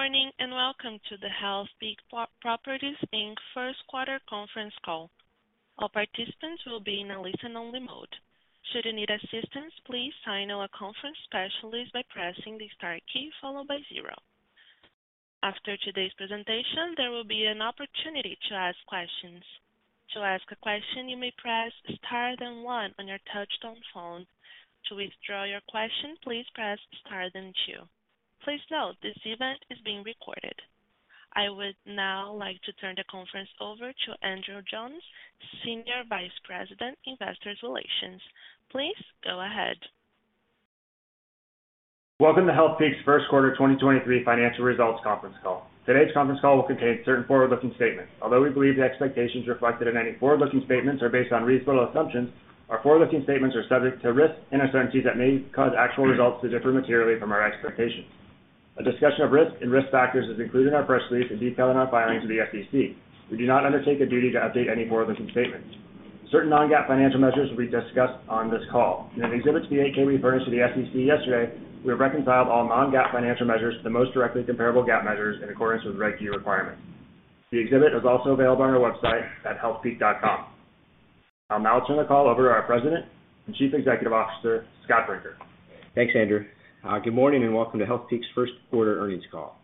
Good morning, and welcome to the Healthpeak Properties Inc. first quarter conference call. All participants will be in a listen-only mode. Should you need assistance, please signal a conference specialist by pressing the star key followed by zero. After today's presentation, there will be an opportunity to ask questions. To ask a question, you may press star then one on your touchtone phone. To withdraw your question, please press star then two. Please note this event is being recorded. I would now like to turn the conference over to Andrew Johns, Senior Vice President, Investor Relations. Please go ahead. Welcome to Healthpeak's first quarter 2023 financial results conference call. Today's conference call will contain certain forward-looking statements. We believe the expectations reflected in any forward-looking statements are based on reasonable assumptions, our forward-looking statements are subject to risks and uncertainties that may cause actual results to differ materially from our expectations. A discussion of risks and risk factors is included in our press release and detailed in our filings with the SEC. We do not undertake a duty to update any forward-looking statements. Certain non-GAAP financial measures will be discussed on this call. In an exhibit to the 8-K we furnished to the SEC yesterday, we have reconciled all non-GAAP financial measures to the most directly comparable GAAP measures in accordance with regulatory requirements. The exhibit is also available on our website at healthpeak.com. I'll now turn the call over to our President and Chief Executive Officer, Scott Brinker. Thanks, Andrew. Good morning and welcome to Healthpeak's first quarter earnings call.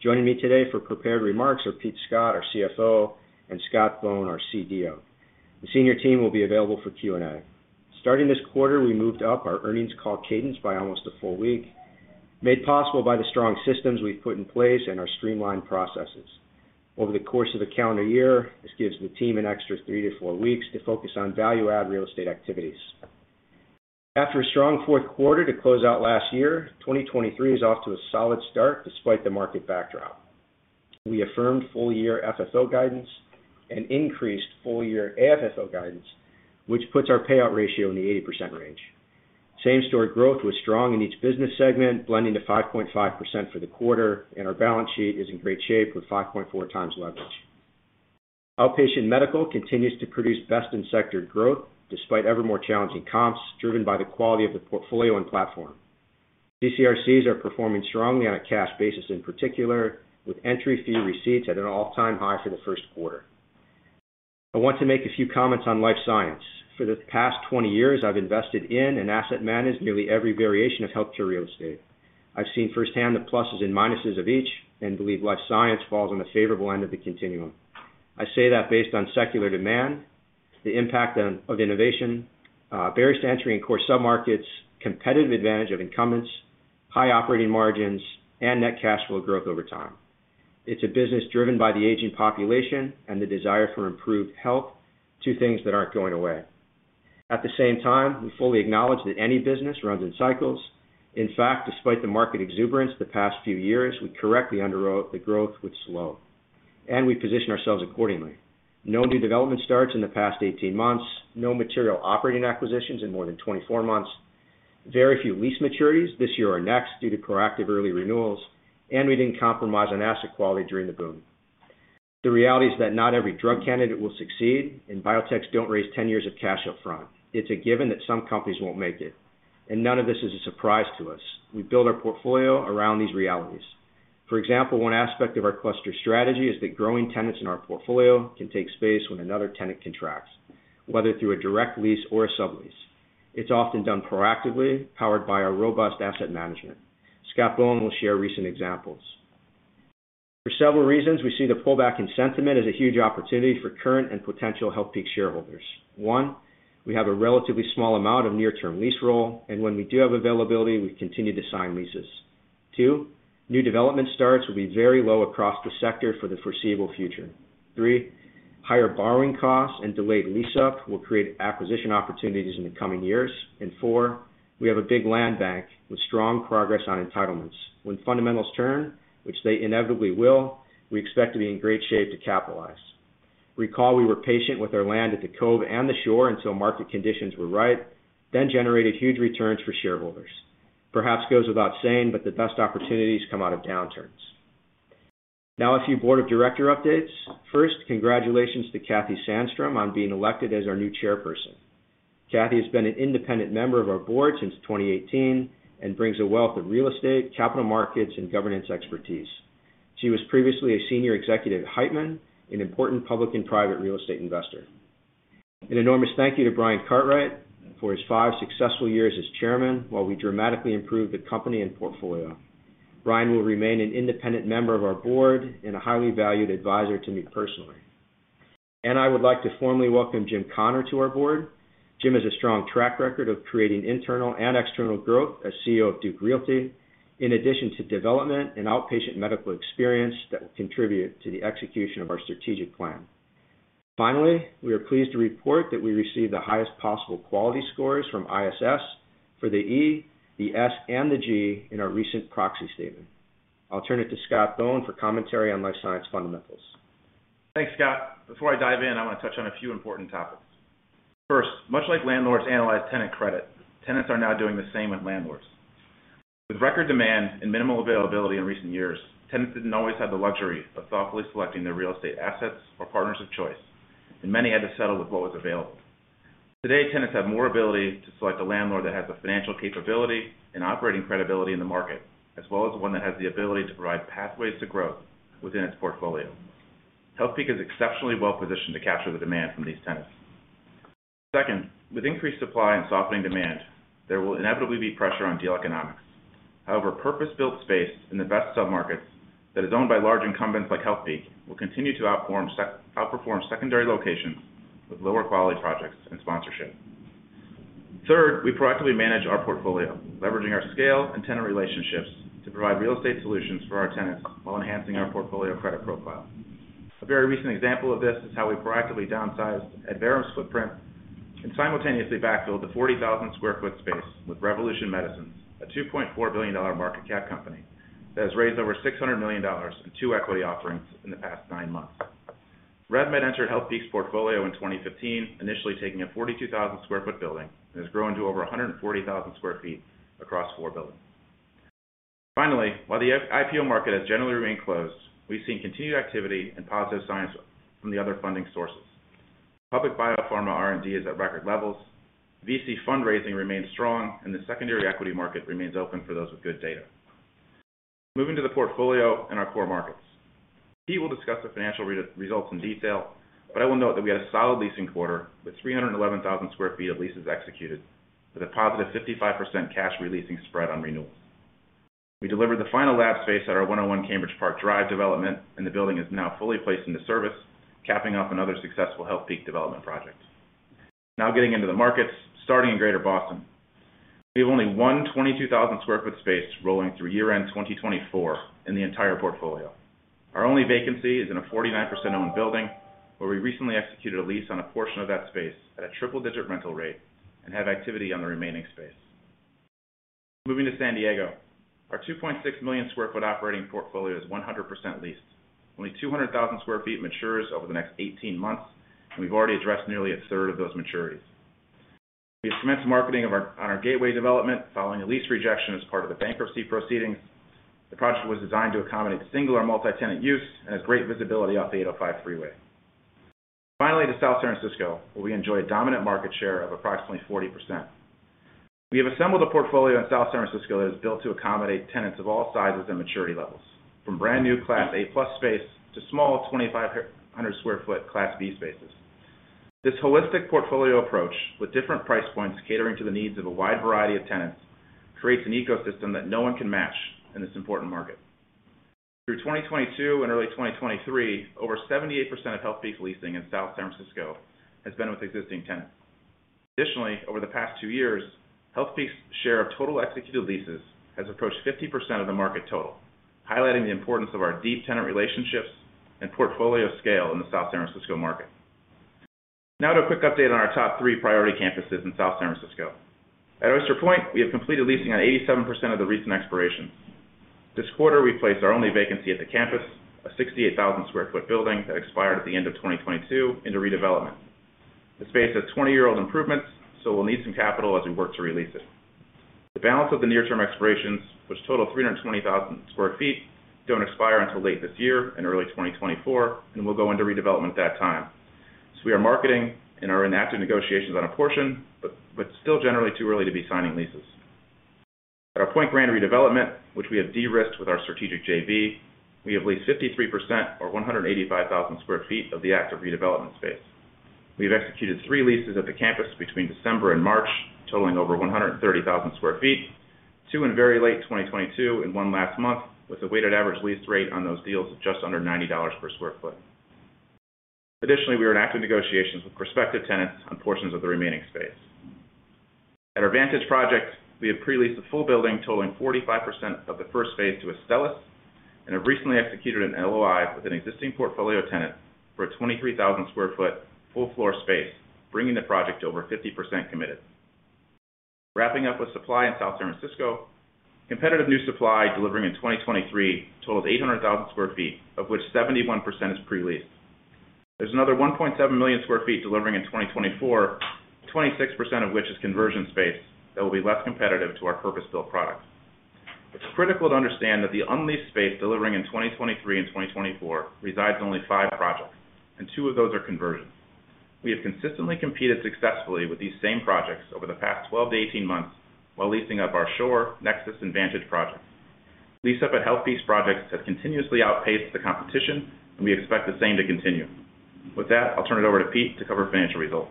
Joining me today for prepared remarks are Pete Scott, our CFO, and Scott Bohn, our CDO. The senior team will be available for Q&A. Starting this quarter, we moved up our earnings call cadence by almost a full week, made possible by the strong systems we've put in place and our streamlined processes. Over the course of the calendar year, this gives the team an extra three to four weeks to focus on value-add real estate activities. After a strong fourth quarter to close out last year, 2023 is off to a solid start despite the market backdrop. We affirmed full-year FFO guidance and increased full-year AFFO guidance, which puts our payout ratio in the 80% range. Same-store growth was strong in each business segment, blending to 5.5% for the quarter. Our balance sheet is in great shape with 5.4x leverage. Outpatient medical continues to produce best-in-sector growth despite ever more challenging comps driven by the quality of the portfolio and platform. CCRCs are performing strongly on a cash basis, in particular, with entry fee receipts at an all-time high for the first quarter. I want to make a few comments on life science. For the past 20 years, I've invested in and asset managed nearly every variation of healthcare real estate. I've seen firsthand the pluses and minuses of each and believe life science falls on the favorable end of the continuum. I say that based on secular demand, the impact of innovation, barriers to entry in core submarkets, competitive advantage of incumbents, high operating margins, and net cash flow growth over time. It's a business driven by the aging population and the desire for improved health, two things that aren't going away. We fully acknowledge that any business runs in cycles. Despite the market exuberance the past few years, we correctly underwrote that growth would slow, and we positioned ourselves accordingly. No new development starts in the past 18 months, no material operating acquisitions in more than 24 months, very few lease maturities this year or next due to proactive early renewals, we didn't compromise on asset quality during the boom. The reality is that not every drug candidate will succeed, biotechs don't raise 10 years of cash up front. It's a given that some companies won't make it, and none of this is a surprise to us. We build our portfolio around these realities. For example, one aspect of our cluster strategy is that growing tenants in our portfolio can take space when another tenant contracts, whether through a direct lease or a sublease. It's often done proactively, powered by our robust asset management. Scott Bohn will share recent examples. For several reasons, we see the pullback in sentiment as a huge opportunity for current and potential Healthpeak shareholders. One, we have a relatively small amount of near-term lease roll, and when we do have availability, we continue to sign leases. Two, new development starts will be very low across the sector for the foreseeable future. Three, higher borrowing costs and delayed lease-up will create acquisition opportunities in the coming years. Four, we have a big land bank with strong progress on entitlements. When fundamentals turn, which they inevitably will, we expect to be in great shape to capitalize. Recall we were patient with our land at The Cove and The Shore until market conditions were right, then generated huge returns for shareholders. Perhaps goes without saying, but the best opportunities come out of downturns. Now a few Board of Directors updates. First, congratulations to Kathy Sandstrom on being elected as our new Chairperson. Kathy has been an independent member of our Board since 2018 and brings a wealth of real estate, capital markets, and governance expertise. She was previously a senior executive at Heitman, an important public and private real estate investor. An enormous thank you to Brian Cartwright for his five successful years as Chairman while we dramatically improved the company and portfolio. Brian will remain an independent member of our board and a highly valued advisor to me personally. I would like to formally welcome Jim Connor to our board. Jim has a strong track record of creating internal and external growth as CEO of Duke Realty, in addition to development and outpatient medical experience that will contribute to the execution of our strategic plan. Finally, we are pleased to report that we received the highest possible quality scores from ISS for the E, the S, and the G in our recent proxy statement. I'll turn it to Scott Bohn for commentary on life science fundamentals. Thanks, Scott. Before I dive in, I want to touch on a few important topics. First, much like landlords analyze tenant credit, tenants are now doing the same with landlords. With record demand and minimal availability in recent years, tenants didn't always have the luxury of thoughtfully selecting their real estate assets or partners of choice, and many had to settle with what was available. Today, tenants have more ability to select a landlord that has the financial capability and operating credibility in the market, as well as one that has the ability to provide pathways to growth within its portfolio. Healthpeak is exceptionally well positioned to capture the demand from these tenants. Second, with increased supply and softening demand, there will inevitably be pressure on deal economics. However, purpose-built space in the best sub-markets that is owned by large incumbents like Healthpeak will continue to outperform secondary locations with lower quality projects and sponsorship. Third, we proactively manage our portfolio, leveraging our scale and tenant relationships to provide real estate solutions for our tenants while enhancing our portfolio credit profile. A very recent example of this is how we proactively downsized Adverum's footprint and simultaneously backfilled the 40,000 sq ft space with Revolution Medicines, a $2.4 billion market cap company that has raised over $600 million in two equity offerings in the past nine months. RevMed entered Healthpeak's portfolio in 2015, initially taking a 42,000 sq ft building and has grown to over 140,000 sq ft across four buildings. While the IPO market has generally remained closed, we've seen continued activity and positive signs from the other funding sources. Public biopharma R&D is at record levels. VC fundraising remains strong, the secondary equity market remains open for those with good data. Moving to the portfolio in our core markets. Pete will discuss the financial results in detail, but I will note that we had a solid leasing quarter with 311,000 sq ft of leases executed with a positive 55% cash re-leasing spread on renewals. We delivered the final lab space at our 101 Cambridge Park Drive development, and the building is now fully placed into service, capping off another successful Healthpeak development project. Now getting into the markets, starting in Greater Boston. We have only 122,000 sq ft space rolling through year-end 2024 in the entire portfolio. Our only vacancy is in a 49% owned building, where we recently executed a lease on a portion of that space at a triple-digit rental rate and have activity on the remaining space. Moving to San Diego, our 2.6 million sq ft operating portfolio is 100% leased. Only 200,000 sq ft matures over the next 18 months, and we've already addressed nearly a third of those maturities. We have commenced marketing on our Gateway development following a lease rejection as part of the bankruptcy proceedings. The project was designed to accommodate single or multi-tenant use and has great visibility off the 805 freeway. To South San Francisco, where we enjoy a dominant market share of approximately 40%. We have assembled a portfolio in South San Francisco that is built to accommodate tenants of all sizes and maturity levels, from brand new Class A+ space to small 2,500 sq ft Class B spaces. This holistic portfolio approach, with different price points catering to the needs of a wide variety of tenants, creates an ecosystem that no one can match in this important market. Through 2022 and early 2023, over 78% of Healthpeak's leasing in South San Francisco has been with existing tenants. Additionally, over the past two years, Healthpeak's share of total executed leases has approached 50% of the market total, highlighting the importance of our deep tenant relationships and portfolio scale in the South San Francisco market. To a quick update on our top 3 priority campuses in South San Francisco. At Oyster Point, we have completed leasing on 87% of the recent expirations. This quarter, we placed our only vacancy at the campus, a 68,000 sq ft building that expired at the end of 2022 into redevelopment. The space has 20-year-old improvements, so we'll need some capital as we work to re-lease it. The balance of the near term expirations, which total 320,000 sq ft, don't expire until late this year and early 2024 and will go into redevelopment at that time. We are marketing and are in active negotiations on a portion, but still generally too early to be signing leases. At our Pointe Grand redevelopment, which we have de-risked with our strategic JV, we have leased 53% or 185,000 sq ft of the active redevelopment space. We have executed three leases at the campus between December and March, totaling over 130,000 sq ft, two in very late 2022 and one last month, with a weighted average lease rate on those deals of just under $90 per sq ft. Additionally, we are in active negotiations with prospective tenants on portions of the remaining space. At our Vantage project, we have pre-leased the full building, totaling 45% of the first phase to Astellas, and have recently executed an LOI with an existing portfolio tenant for a 23,000 sq ft full floor space, bringing the project to over 50% committed. Wrapping up with supply in South San Francisco, competitive new supply delivering in 2023 totals 800,000 sq ft, of which 71% is pre-leased. There's another 1.7 million sq ft delivering in 2024, 26% of which is conversion space that will be less competitive to our purpose-built products. It's critical to understand that the unleased space delivering in 2023 and 2024 resides in only five projects, and two of those are conversions. We have consistently competed successfully with these same projects over the past 12 to 18 months while leasing up our Shore, Nexus, and Vantage projects. Lease-up at Healthpeak's projects have continuously outpaced the competition, and we expect the same to continue. With that, I'll turn it over to Pete to cover financial results.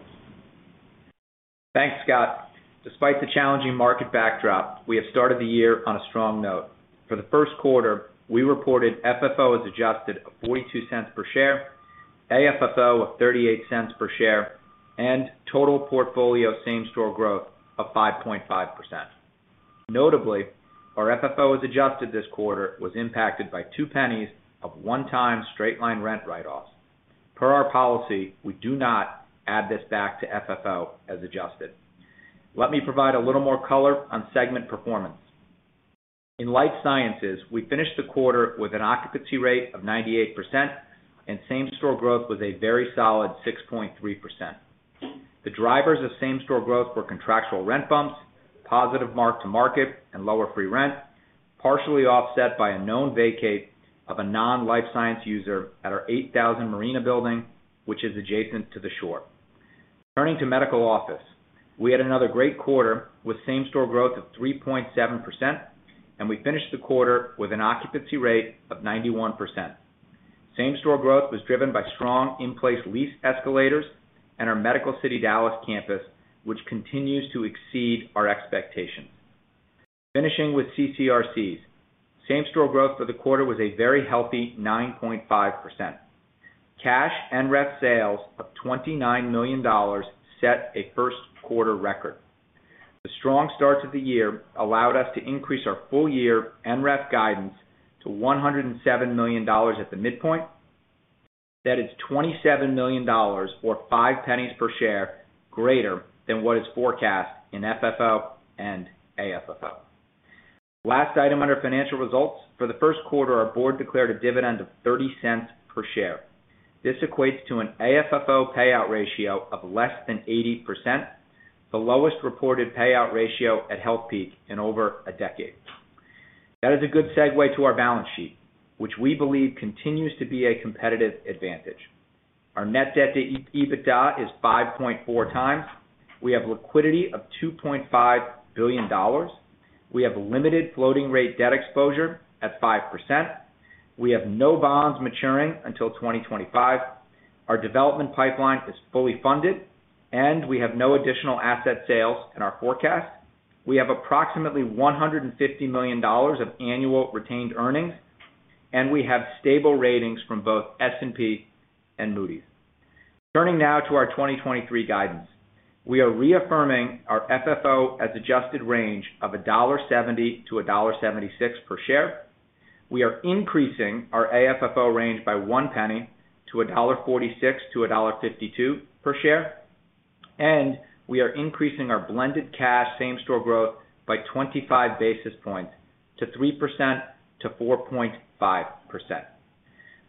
Thanks, Scott. Despite the challenging market backdrop, we have started the year on a strong note. For the first quarter, we reported FFO as adjusted of $0.42 per share, AFFO of $0.38 per share, and total portfolio same-store growth of 5.5%. Notably, our FFO as adjusted this quarter was impacted by $0.02 of one-time straight-line rent write-offs. Per our policy, we do not add this back to FFO as adjusted. Let me provide a little more color on segment performance. In life sciences, we finished the quarter with an occupancy rate of 98% and same-store growth with a very solid 6.3%. The drivers of same-store growth were contractual rent bumps, positive mark-to-market and lower free rent. Partially offset by a known vacate of a non-life science user at our 8000 Marina building, which is adjacent to the shore. Turning to medical office, we had another great quarter with same-store growth of 3.7%, and we finished the quarter with an occupancy rate of 91%. Same-store growth was driven by strong in-place lease escalators at our Medical City Dallas campus, which continues to exceed our expectations. Finishing with CCRCs. Same-store growth for the quarter was a very healthy 9.5%. Cash and rep sales of $29 million set a first quarter record. The strong starts of the year allowed us to increase our full year and rep guidance to $107 million at the midpoint. That is $27 million or $0.05 per share greater than what is forecast in FFO and AFFO. Last item under financial results. For the first quarter, our board declared a dividend of $0.30 per share. This equates to an AFFO payout ratio of less than 80%, the lowest reported payout ratio at Healthpeak in over a decade. That is a good segue to our balance sheet, which we believe continues to be a competitive advantage. Our net debt to EBITDA is 5.4x. We have liquidity of $2.5 billion. We have limited floating rate debt exposure at 5%. We have no bonds maturing until 2025. Our development pipeline is fully funded, and we have no additional asset sales in our forecast. We have approximately $150 million of annual retained earnings, and we have stable ratings from both S&P and Moody's. Turning now to our 2023 guidance. We are reaffirming our FFO as adjusted range of $1.70-$1.76 per share. We are increasing our AFFO range by one penny to $1.46-$1.52 per share, we are increasing our blended cash same-store growth by 25 basis points to 3%-4.5%.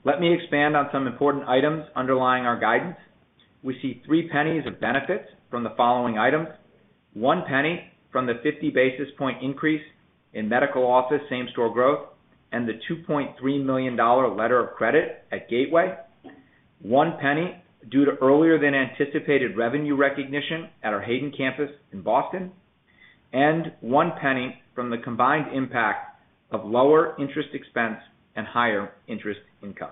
Let me expand on some important items underlying our guidance. We see 3 pennies of benefits from the following items. One penny from the 50 basis point increase in medical office same-store growth and the $2.3 million letter of credit at Gateway. One penny due to earlier than anticipated revenue recognition at our Hayden Campus in Boston. One penny from the combined impact of lower interest expense and higher interest income.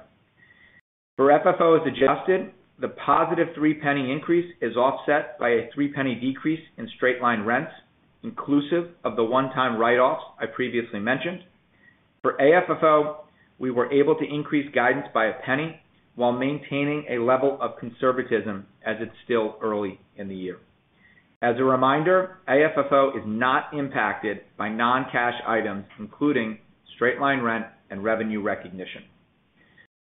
For FFO as adjusted, the positive 3 penny increase is offset by a 3 penny decrease in straight line rents, inclusive of the one-time write-offs I previously mentioned. For AFFO, we were able to increase guidance by $0.01 while maintaining a level of conservatism as it's still early in the year. As a reminder, AFFO is not impacted by non-cash items, including straight line rent and revenue recognition.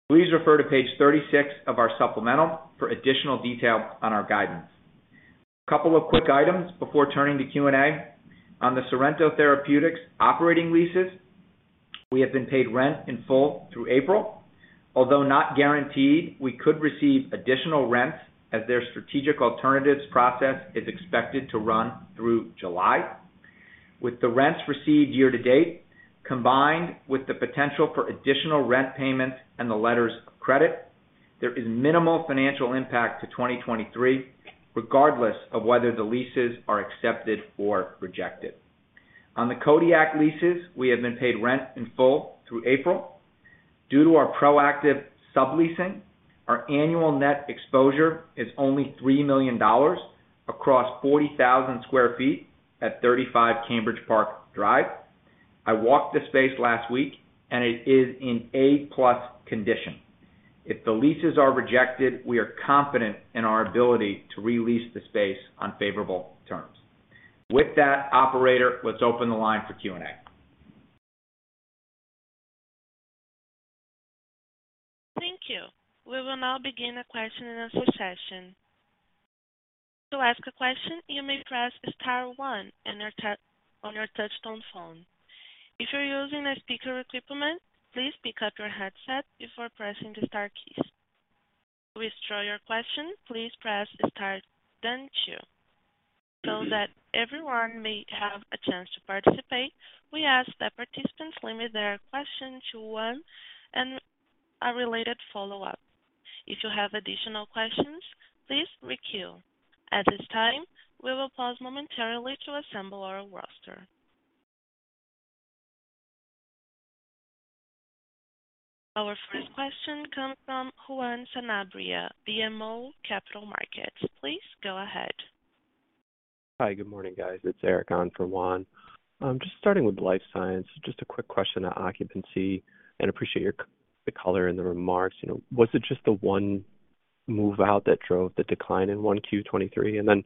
Please refer to page 36 of our supplemental for additional detail on our guidance. A couple of quick items before turning to Q&A. On the Sorrento Therapeutics operating leases, we have been paid rent in full through April. Although not guaranteed, we could receive additional rents as their strategic alternatives process is expected to run through July. With the rents received year to date, combined with the potential for additional rent payments and the letters of credit, there is minimal financial impact to 2023, regardless of whether the leases are accepted or rejected. On the Kodiak leases, we have been paid rent in full through April. Due to our proactive subleasing, our annual net exposure is only $3 million across 40,000 sq ft at 35 Cambridge Park Drive. I walked the space last week and it is in A-plus condition. If the leases are rejected, we are confident in our ability to re-lease the space on favorable terms. With that operator, let's open the line for Q&A. Thank you. We will now begin the question and answer session. To ask a question, you may press star 1 on your touch tone phone. If you're using a speaker equipment, please pick up your headset before pressing the star keys. To withdraw your question, please press star then 2. That everyone may have a chance to participate, we ask that participants limit their question to 1 and a related follow-up. If you have additional questions, please queue. At this time, we will pause momentarily to assemble our roster. Our first question comes from Juan Sanabria, BMO Capital Markets. Please go ahead. Hi, good morning, guys. It's Eric on for Juan. Just starting with life science, just a quick question on occupancy and appreciate the color in the remarks. You know, was it just the 1 move out that drove the decline in 1 Q-23?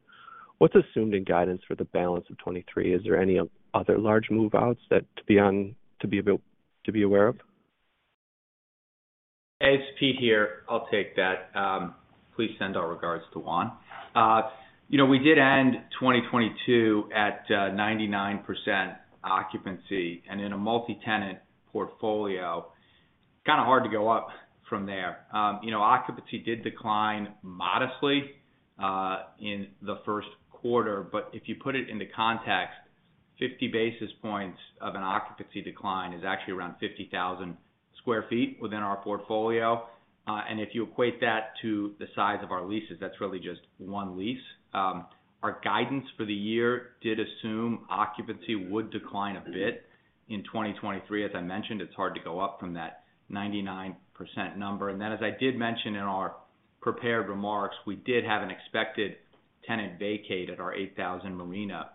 What's assumed in guidance for the balance of 23? Is there any other large move-outs that to be aware of? It's Pete here. I'll take that. Please send our regards to Juan. You know, we did end 2022 at 99% occupancy. In a multi-tenant portfolio. Kind of hard to go up from there. You know, occupancy did decline modestly in the first quarter, but if you put it into context, 50 basis points of an occupancy decline is actually around 50,000 sq ft within our portfolio. If you equate that to the size of our leases, that's really just one lease. Our guidance for the year did assume occupancy would decline a bit in 2023. As I mentioned, it's hard to go up from that 99% number. As I did mention in our prepared remarks, we did have an expected tenant vacate at our 8000 Marina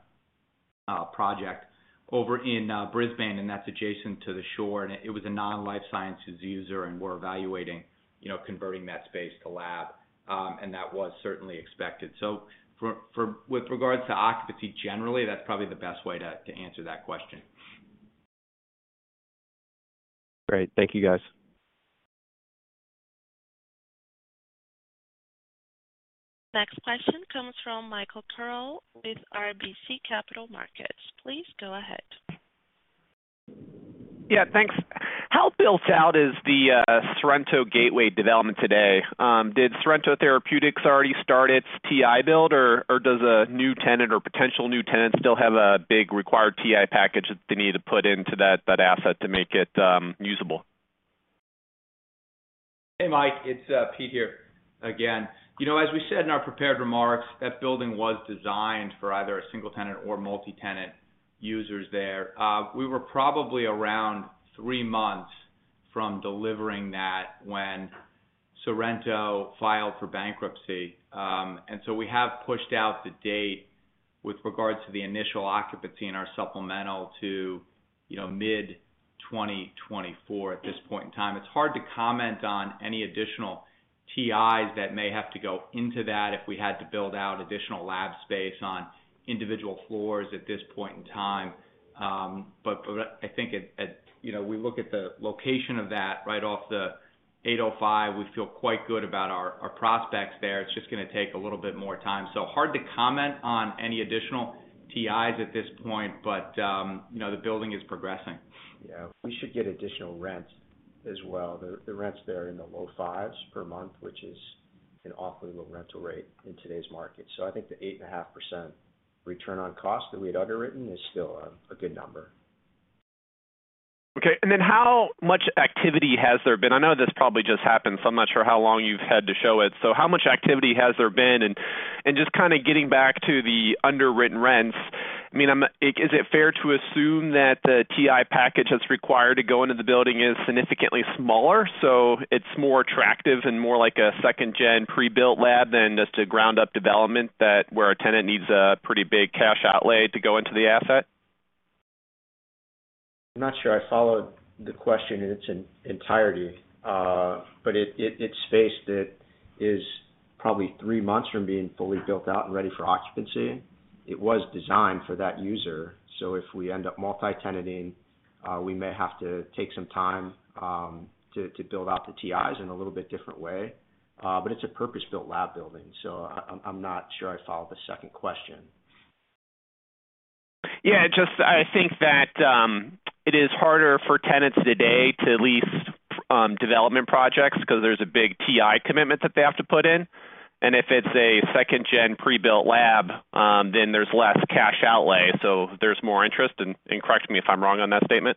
project over in Brisbane, and that's adjacent to the shore. It was a non-life sciences user, and we're evaluating, you know, converting that space to lab, and that was certainly expected. With regards to occupancy, generally, that's probably the best way to answer that question. Great. Thank you, guys. Next question comes from Michael Carroll with RBC Capital Markets. Please go ahead. Thanks. How built out is the Sorrento Gateway development today? Did Sorrento Therapeutics already start its TI build, or does a new tenant or potential new tenant still have a big required TI package that they need to put into that asset to make it usable? Hey, Mike, it's Pete here again. You know, as we said in our prepared remarks, that building was designed for either a single tenant or multi-tenant users there. We were probably around 3 months from delivering that when Sorrento filed for bankruptcy. So we have pushed out the date with regards to the initial occupancy in our supplemental to, you know, mid-2024 at this point in time. It's hard to comment on any additional TIs that may have to go into that if we had to build out additional lab space on individual floors at this point in time. I think at, you know, we look at the location of that right off the 805, we feel quite good about our prospects there. It's just gonna take a little bit more time. Hard to comment on any additional TIs at this point, but, you know, the building is progressing. Yeah, we should get additional rent as well. The rents there are in the low fives per month, which is an awfully low rental rate in today's market. I think the 8.5% return on cost that we had underwritten is still a good number. Okay, how much activity has there been? I know this probably just happened, so I'm not sure how long you've had to show it. How much activity has there been? Just kinda getting back to the underwritten rents, I mean, is it fair to assume that the TI package that's required to go into the building is significantly smaller, so it's more attractive and more like a second-gen pre-built lab than just a ground-up development that where a tenant needs a pretty big cash outlay to go into the asset? I'm not sure I followed the question in its entirety. It's space that is probably three months from being fully built out and ready for occupancy. It was designed for that user. If we end up multi-tenanting, we may have to take some time to build out the TIs in a little bit different way. It's a purpose-built lab building, I'm not sure I follow the second question. Yeah, just I think that it is harder for tenants today to lease development projects because there's a big TI commitment that they have to put in. If it's a second gen pre-built lab, then there's less cash outlay. There's more interest. Correct me if I'm wrong on that statement.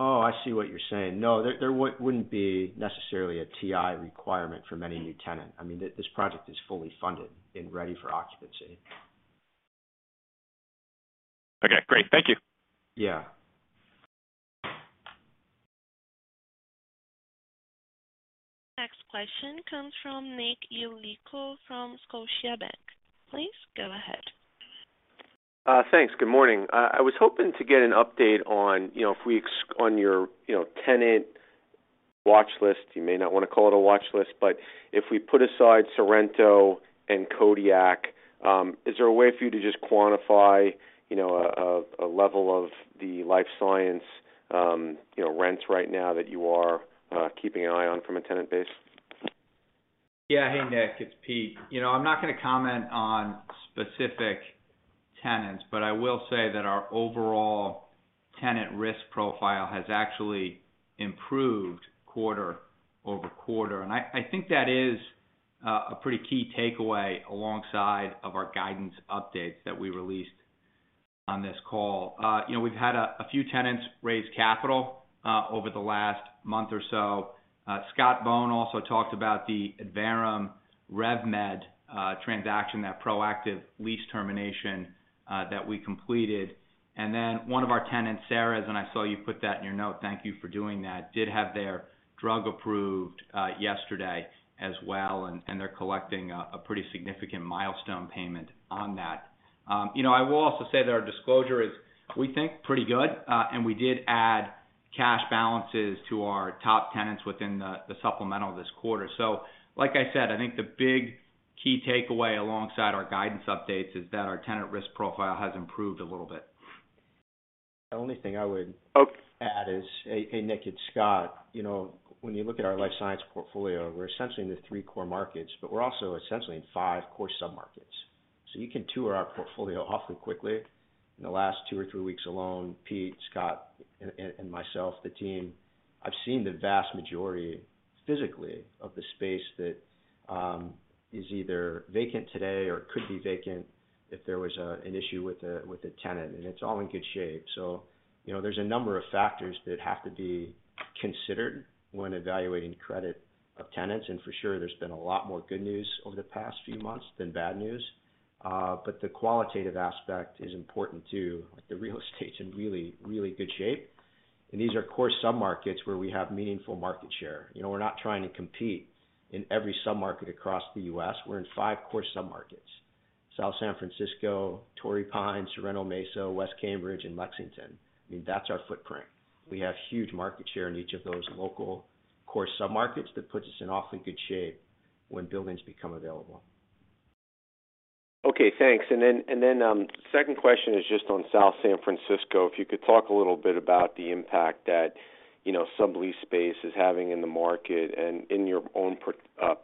Oh, I see what you're saying. No, there wouldn't be necessarily a TI requirement for many new tenant. I mean, this project is fully funded and ready for occupancy. Okay, great. Thank you. Yeah. Next question comes from Nick Yulico from Scotiabank. Please go ahead. Thanks. Good morning. I was hoping to get an update on, you know, if we on your, you know, tenant watchlist. You may not wanna call it a watchlist, but if we put aside Sorrento and Kodiak, is there a way for you to just quantify, you know, a level of the life science, you know, rents right now that you are keeping an eye on from a tenant base? Yeah. Hey, Nick, it's Pete. You know, I'm not gonna comment on specific tenants, but I will say that our overall tenant risk profile has actually improved quarter-over-quarter. I think that is a pretty key takeaway alongside of our guidance updates that we released on this call. You know, we've had a few tenants raise capital over the last month or so. Scott Bohn also talked about the Adverum RevMed transaction, that proactive lease termination, that we completed. One of our tenants, Seres, and I saw you put that in your note, thank you for doing that, did have their drug approved yesterday as well, and they're collecting a pretty significant milestone payment on that. You know, I will also say that our disclosure is, we think, pretty good, and we did add cash balances to our top tenants within the supplemental this quarter. Like I said, I think the big key takeaway alongside our guidance updates is that our tenant risk profile has improved a little bit. The only thing I would add is, hey, Nick, it's Scott. You know, when you look at our life science portfolio, we're essentially in the 3 core markets, but we're also essentially in 5 core sub-markets. You can tour our portfolio awfully quickly. In the last two or three weeks alone, Pete, Scott and myself, the team, I've seen the vast majority physically of the space that is either vacant today or could be vacant if there was an issue with a tenant, and it's all in good shape. You know, there's a number of factors that have to be considered when evaluating credit of tenants. For sure, there's been a lot more good news over the past few months than bad news. The qualitative aspect is important too. The real estate's in really, really good shape. These are core sub-markets where we have meaningful market share. You know, we're not trying to compete in every sub-market across the U.S. We're in five core sub-markets: South San Francisco, Torrey Pines, Sorrento Mesa, West Cambridge, and Lexington. I mean, that's our footprint. We have huge market share in each of those local core sub-markets. That puts us in awfully good shape when buildings become available. Okay, thanks. Second question is just on South San Francisco. If you could talk a little bit about the impact that, you know, sublease space is having in the market and in your own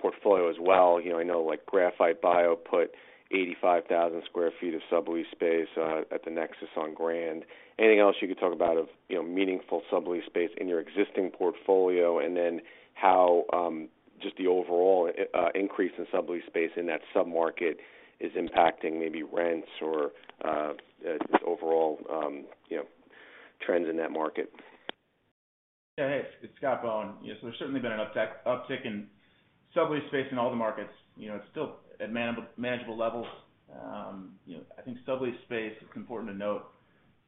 portfolio as well. You know, I know like Graphite Bio put 85,000 square feet of sublease space at the Nexus on Grand. Anything else you could talk about of, you know, meaningful sublease space in your existing portfolio, and then how just the overall increase in sublease space in that sub-market is impacting maybe rents or just overall, you know, trends in that market? Yeah. Hey, it's Scott Bohn. Yes. There's certainly been an uptick in sublease space in all the markets. You know, it's still at manageable levels. You know, I think sublease space, it's important to note,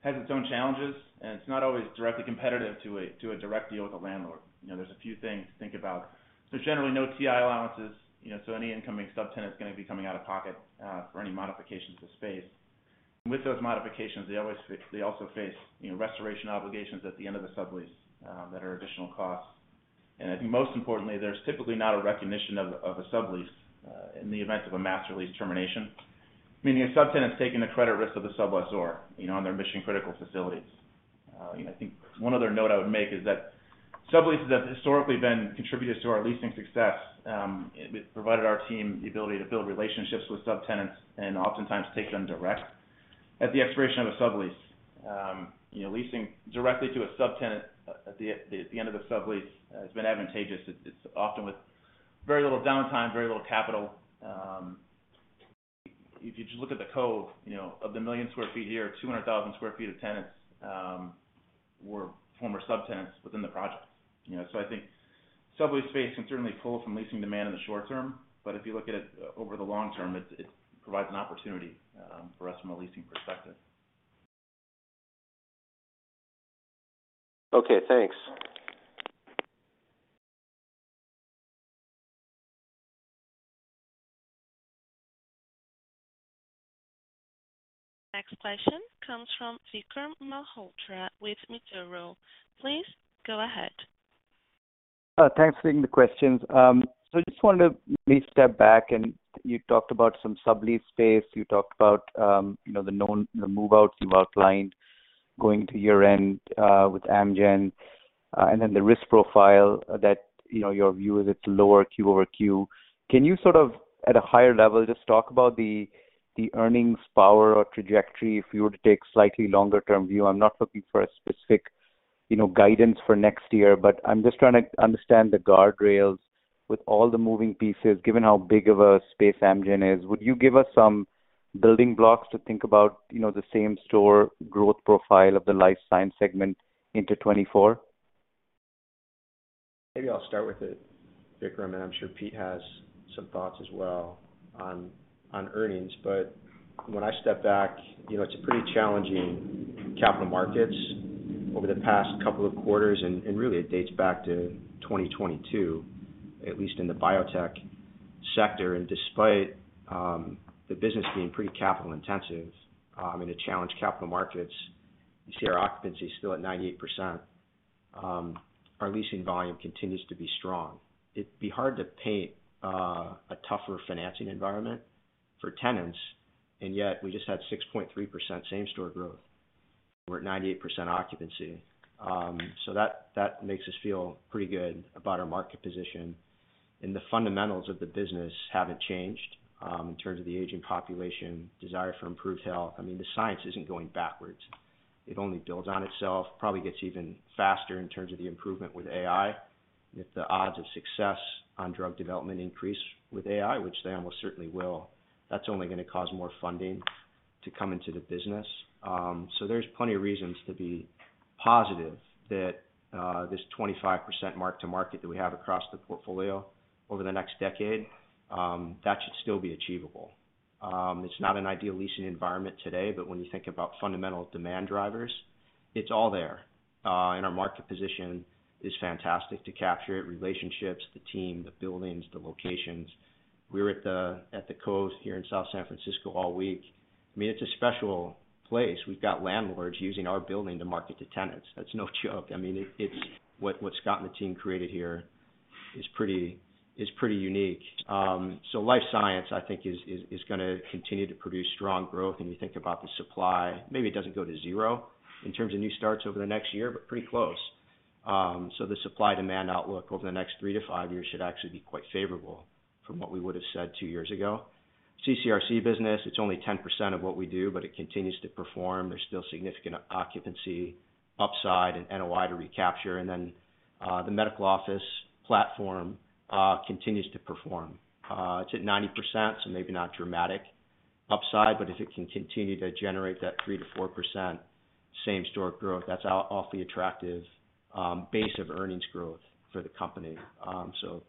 has its own challenges, and it's not always directly competitive to a direct deal with the landlord. You know, there's a few things to think about. Generally, no TI allowances, you know, any incoming subtenant is gonna be coming out of pocket for any modifications to the space. With those modifications, they also face, you know, restoration obligations at the end of the sublease that are additional costs. I think most importantly, there's typically not a recognition of a sublease, in the event of a master lease termination, meaning a subtenant is taking the credit risk of the sublessor, you know, on their mission-critical facilities. You know, I think one other note I would make is that subleases have historically been contributors to our leasing success. It provided our team the ability to build relationships with subtenants and oftentimes take them direct at the expiration of a sublease. You know, leasing directly to a subtenant at the end of the sublease, has been advantageous. It's often with very little downtime, very little capital. If you just look at The Cove, you know, of the 1 million sq ft here, 200,000 sq ft of tenants, were former subtenants within the project. You know, I think sublease space can certainly pull from leasing demand in the short term, but if you look at it over the long term, it provides an opportunity for us from a leasing perspective. Okay, thanks. Next question comes from Vikram Malhotra with Mizuho. Please go ahead. Thanks for taking the questions. I just wanted to maybe step back and you talked about some sublease space. You talked about, you know, the known, the move-outs you've outlined going to year-end with Amgen, the risk profile that, you know, your view is it's lower Q over Q. Can you sort of at a higher level just talk about the earnings power or trajectory if you were to take slightly longer term view? I'm not looking for a specific, you know, guidance for next year, but I'm just trying to understand the guardrails with all the moving pieces, given how big of a space Amgen is. Would you give us some building blocks to think about, you know, the same store growth profile of the life science segment into 2024? Maybe I'll start with it, Vikram, I'm sure Pete has some thoughts as well on earnings. When I step back, you know, it's a pretty challenging capital markets over the past couple of quarters, and really it dates back to 2022, at least in the biotech sector. Despite the business being pretty capital intensive, and the challenged capital markets, you see our occupancy is still at 98%. Our leasing volume continues to be strong. It'd be hard to paint a tougher financing environment for tenants, and yet we just had 6.3% same store growth. We're at 98% occupancy. That makes us feel pretty good about our market position. The fundamentals of the business haven't changed, in terms of the aging population, desire for improved health. I mean, the science isn't going backwards. It only builds on itself. Probably gets even faster in terms of the improvement with AI. If the odds of success on drug development increase with AI, which they almost certainly will, that's only gonna cause more funding to come into the business. There's plenty of reasons to be positive that this 25% mark to market that we have across the portfolio over the next decade, that should still be achievable. It's not an ideal leasing environment today, when you think about fundamental demand drivers, it's all there. Our market position is fantastic to capture it, relationships, the team, the buildings, the locations. We're at The Cove here in South San Francisco all week. I mean, it's a special place. We've got landlords using our building to market to tenants. That's no joke. I mean, it's what Scott and the team created here is pretty unique. Life science, I think, is gonna continue to produce strong growth. You think about the supply, maybe it doesn't go to zero in terms of new starts over the next year, but pretty close. The supply-demand outlook over the next three to five years should actually be quite favorable from what we would have said two years ago. CCRC business, it's only 10% of what we do, but it continues to perform. There's still significant occupancy upside and NOI to recapture. Then, the medical office platform continues to perform. It's at 90%. Maybe not dramatic upside, but if it can continue to generate that 3%-4% same store growth, that's awfully attractive base of earnings growth for the company.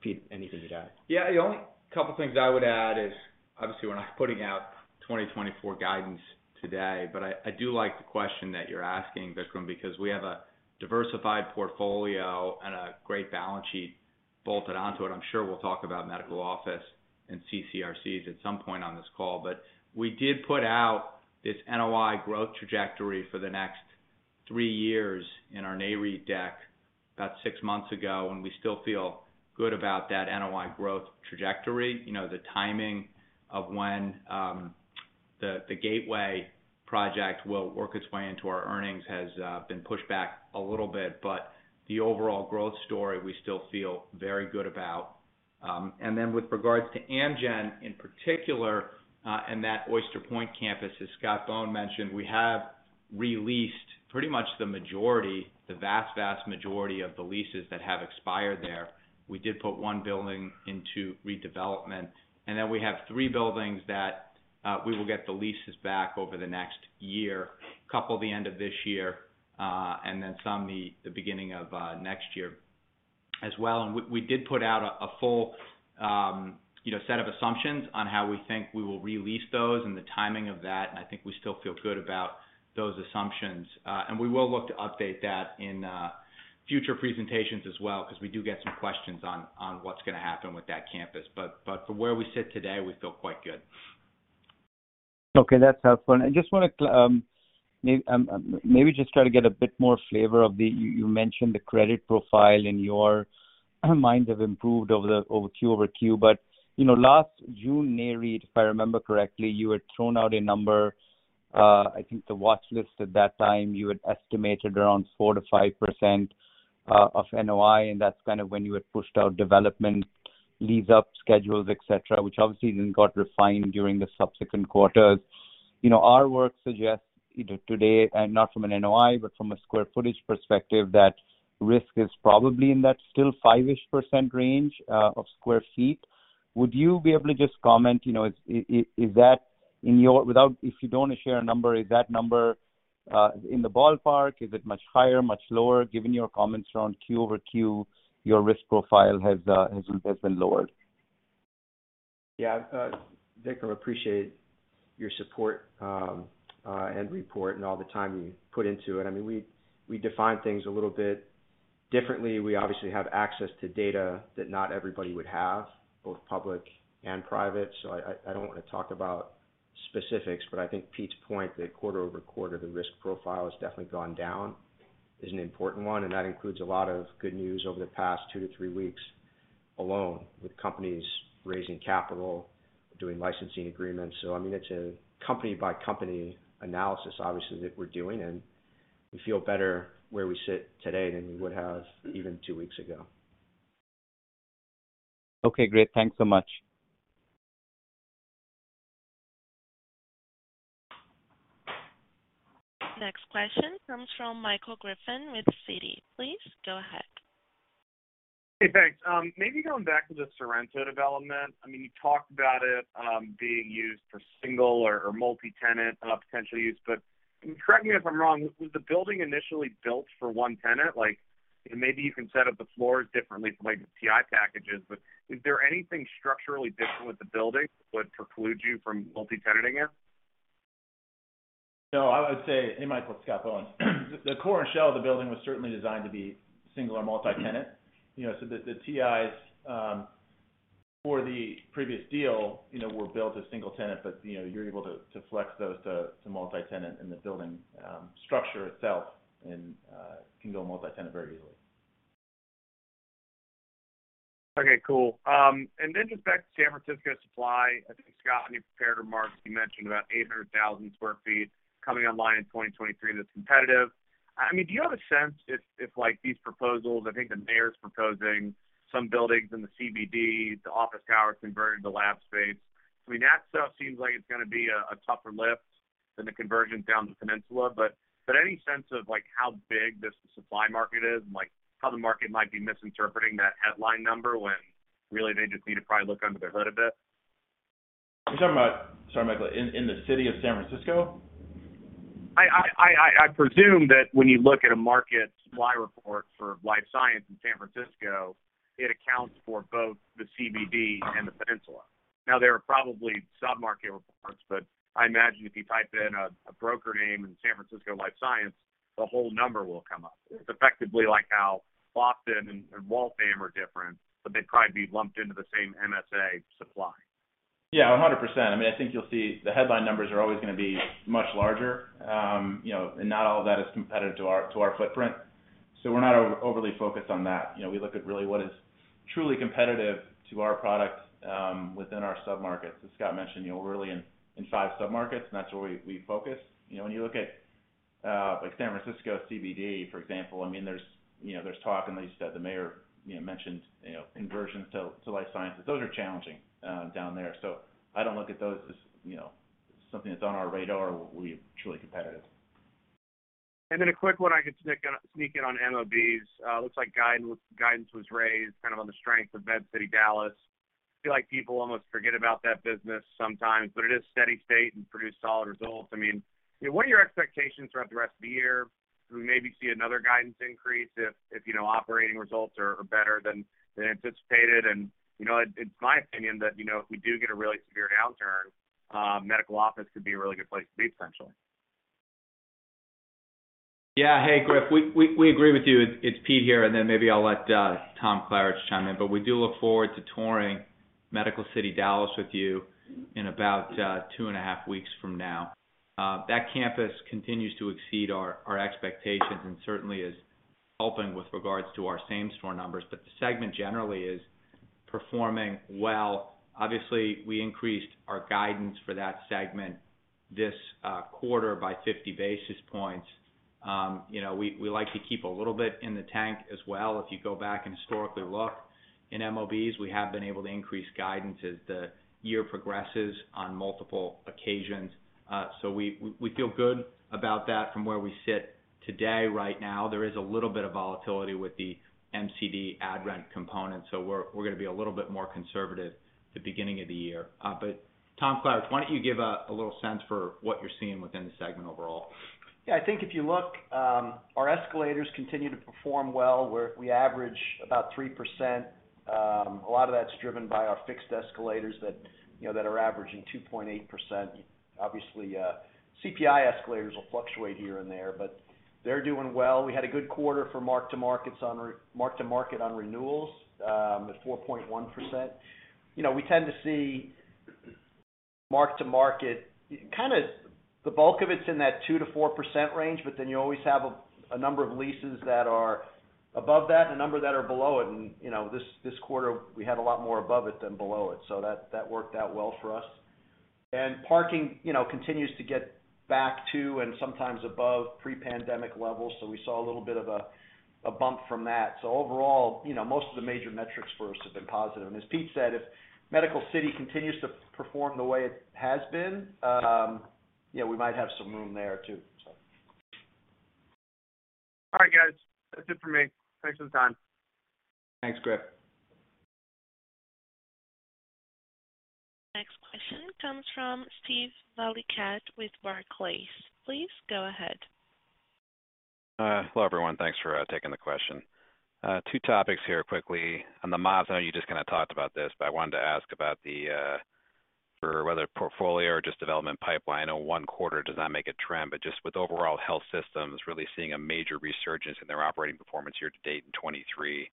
Pete, anything to add? The only couple of things I would add is, obviously, we're not putting out 2024 guidance today, but I do like the question that you're asking, Vikram, because we have a diversified portfolio and a great balance sheet bolted onto it. I'm sure we'll talk about medical office and CCRCs at some point on this call. We did put out this NOI growth trajectory for the next 3 years in our NAREIT deck about 6 months ago, and we still feel good about that NOI growth trajectory. You know, the timing of when the Gateway project will work its way into our earnings has been pushed back a little bit, but the overall growth story we still feel very good about. Then with regards to Amgen, in particular, and that Oyster Point campus, as Scott Bohn mentioned, we have re-leased pretty much the majority, the vast majority of the leases that have expired there. We did put one building into redevelopment, we have three buildings that we will get the leases back over the next year, couple the end of this year, and then some the beginning of next year as well. We did put out a full, you know, set of assumptions on how we think we will re-lease those and the timing of that, and I think we still feel good about those assumptions. We will look to update that in future presentations as well because we do get some questions on what's gonna happen with that campus. From where we sit today, we feel quite good. Okay. That's helpful. I just wanna maybe just try to get a bit more flavor of the. You mentioned the credit profile in your minds have improved over Q over Q. You know, last June NAREIT, if I remember correctly, you had thrown out a number, I think the watch list at that time, you had estimated around 4% to 5% of NOI, and that's kind of when you had pushed out development lease-up schedules, et cetera, which obviously then got refined during the subsequent quarters. You know, our work suggests, you know, today, and not from an NOI, but from a square footage perspective, that risk is probably in that still 5%-ish percent range of square feet. Would you be able to just comment, you know, is that in your. If you don't wanna share a number, is that number in the ballpark? Is it much higher, much lower? Given your comments around Q-over-Q, your risk profile has been lowered. Yeah. Vikram, appreciate your support, and report and all the time you put into it. I mean, we define things a little bit differently. We obviously have access to data that not everybody would have, both public and private. I don't wanna talk about specifics. I think Pete's point that quarter-over-quarter, the risk profile has definitely gone down is an important one, and that includes a lot of good news over the past 2-3 weeks alone, with companies raising capital, doing licensing agreements. I mean, it's a company-by-company analysis, obviously, that we're doing, and we feel better where we sit today than we would have even 2 weeks ago. Okay, great. Thanks so much. Next question comes from Michael Griffin with Citi. Please go ahead. Hey, thanks. Maybe going back to the Sorrento development. I mean, you talked about it, being used for single or multi-tenant, potential use. Correct me if I'm wrong, was the building initially built for one tenant? Like, maybe you can set up the floors differently from, like, the TI packages. Is there anything structurally different with the building would preclude you from multi-tenanting it? No, I would say, Hey, Michael, it's Scott Bohn. The core and shell of the building was certainly designed to be single or multi-tenant. You know, the TIs for the previous deal, you know, were built as single tenant. You know, you're able to flex those to multi-tenant, and the building structure itself can go multi-tenant very easily. Okay, cool. Just back to San Francisco supply. I think, Scott, in your prepared remarks, you mentioned about 800,000 sq ft coming online in 2023 that's competitive. I mean, do you have a sense if like these proposals, I think the mayor's proposing some buildings in the CBD, the office towers converted to lab space. I mean, that stuff seems like it's gonna be a tougher lift than the conversions down the peninsula. Any sense of, like, how big this supply market is and, like, how the market might be misinterpreting that headline number when really they just need to probably look under their hood a bit? You're talking about, sorry, Michael, in the city of San Francisco? I presume that when you look at a market supply report for life science in San Francisco, it accounts for both the CBD and the peninsula. There are probably sub-market reports, but I imagine if you type in a broker name in San Francisco life science, the whole number will come up. It's effectively like how Boston and Waltham are different, but they'd probably be lumped into the same MSA supply. Yeah, 100%. I mean, I think you'll see the headline numbers are always gonna be much larger. You know, not all of that is competitive to our footprint. We're not overly focused on that. You know, we look at really what is Truly competitive to our products within our submarkets. As Scott mentioned, you know, we're really in 5 submarkets, and that's where we focus. You know, when you look at like San Francisco CBD, for example, I mean, there's, you know, there's talk, and like you said, the mayor, you know, mentioned, you know, conversions to life sciences. Those are challenging down there. I don't look at those as, you know, something that's on our radar or we're truly competitive. A quick one I could sneak in on MOBs. Looks like guidance was raised kind of on the strength of MedCity Dallas. I feel like people almost forget about that business sometimes, but it is steady state and produced solid results. I mean, you know, what are your expectations throughout the rest of the year? Do we maybe see another guidance increase if, you know, operating results are better than anticipated? You know, it's my opinion that, you know, if we do get a really severe downturn, medical office could be a really good place to be, essentially. Hey, Griff. We agree with you. It's Pete here, maybe I'll let Tom Klaritch chime in. We do look forward to touring Medical City Dallas with you in about 2.5 weeks from now. That campus continues to exceed our expectations and certainly is helping with regards to our same-store numbers. The segment generally is performing well. We increased our guidance for that segment this quarter by 50 basis points. You know, we like to keep a little bit in the tank as well. If you go back and historically look in MOBs, we have been able to increase guidance as the year progresses on multiple occasions. We feel good about that from where we sit today right now. There is a little bit of volatility with the MCD ad rent component, so we're gonna be a little bit more conservative at the beginning of the year. Tom Klaritch, why don't you give a little sense for what you're seeing within the segment overall? I think if you look, our escalators continue to perform well. We average about 3%. A lot of that's driven by our fixed escalators that, you know, that are averaging 2.8%. Obviously, CPI escalators will fluctuate here and there, but they're doing well. We had a good quarter for mark to market on renewals, at 4.1%. You know, we tend to see mark to market kind of the bulk of it's in that 2%-4% range, you always have a number of leases that are above that and a number that are below it. You know, this quarter, we had a lot more above it than below it. That worked out well for us. Parking, you know, continues to get back to and sometimes above pre-pandemic levels. We saw a little bit of a bump from that. Overall, you know, most of the major metrics for us have been positive. As Pete said, if Medical City continues to perform the way it has been, yeah, we might have some room there too. All right, guys. That's it for me. Thanks for the time. Thanks, Griff. Next question comes from Steve Valiquette with Barclays. Please go ahead. Hello, everyone. Thanks for taking the question. Two topics here quickly. On the MOB zone, you just kind of talked about this, but I wanted to ask about the, for whether portfolio or just development pipeline. I know one quarter does not make a trend, but just with overall health systems really seeing a major resurgence in their operating performance year to date in 2023,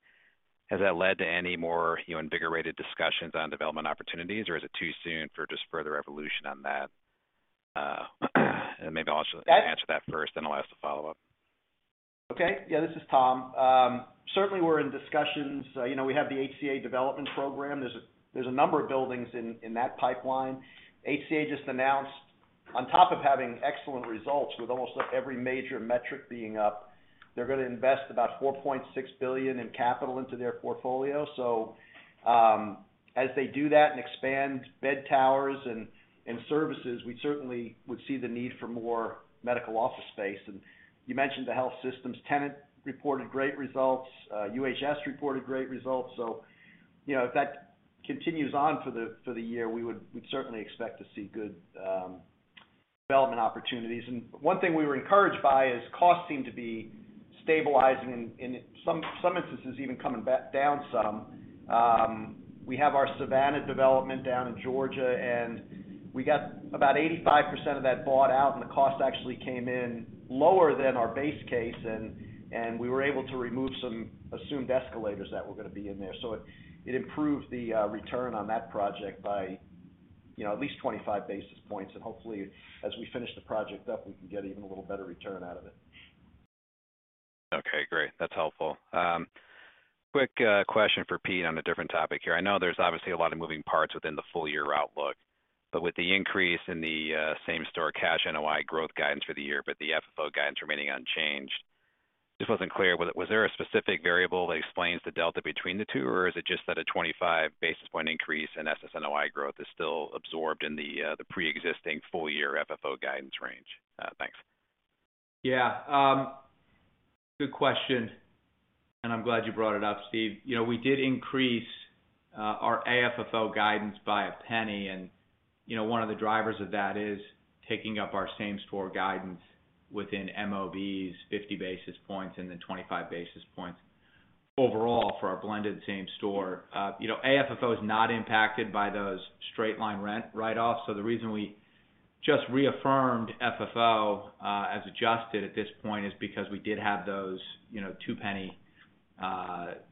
has that led to any more, you know, invigorated discussions on development opportunities, or is it too soon for just further evolution on that? Maybe I'll ask you to answer that first, then I'll ask the follow-up. Okay. Yeah, this is Tom. Certainly, we're in discussions. You know, we have the HCA development program. There's a number of buildings in that pipeline. HCA just announced on top of having excellent results with almost every major metric being up, they're gonna invest about $4.6 billion in capital into their portfolio. As they do that and expand bed towers and services, we certainly would see the need for more medical office space. You mentioned the health systems. Tenant reported great results. UHS reported great results. You know, if that continues on for the year, we'd certainly expect to see good development opportunities. One thing we were encouraged by is costs seem to be stabilizing and in some instances, even coming back down some. We have our Savannah development down in Georgia. We got about 85% of that bought out, and the cost actually came in lower than our base case. We were able to remove some assumed escalators that were gonna be in there. It improved the return on that project by, you know, at least 25 basis points. Hopefully, as we finish the project up, we can get even a little better return out of it. Okay, great. That's helpful. Quick question for Pete on a different topic here. I know there's obviously a lot of moving parts within the full year outlook, but with the increase in the same-store cash NOI growth guidance for the year, but the FFO guidance remaining unchanged, just wasn't clear. Was there a specific variable that explains the delta between the two, or is it just that a 25 basis point increase in SSNOI growth is still absorbed in the preexisting full-year FFO guidance range? Thanks. Yeah. Good question, I'm glad you brought it up, Steve. You know, we did increase our AFFO guidance by a penny, you know, one of the drivers of that is taking up our same-store guidance within MOB's 50 basis points, 25 basis points overall for our blended same store. You know, AFFO is not impacted by those straight-line rent write-offs. The reason we just reaffirmed FFO as adjusted at this point is because we did have those, you know, 2 penny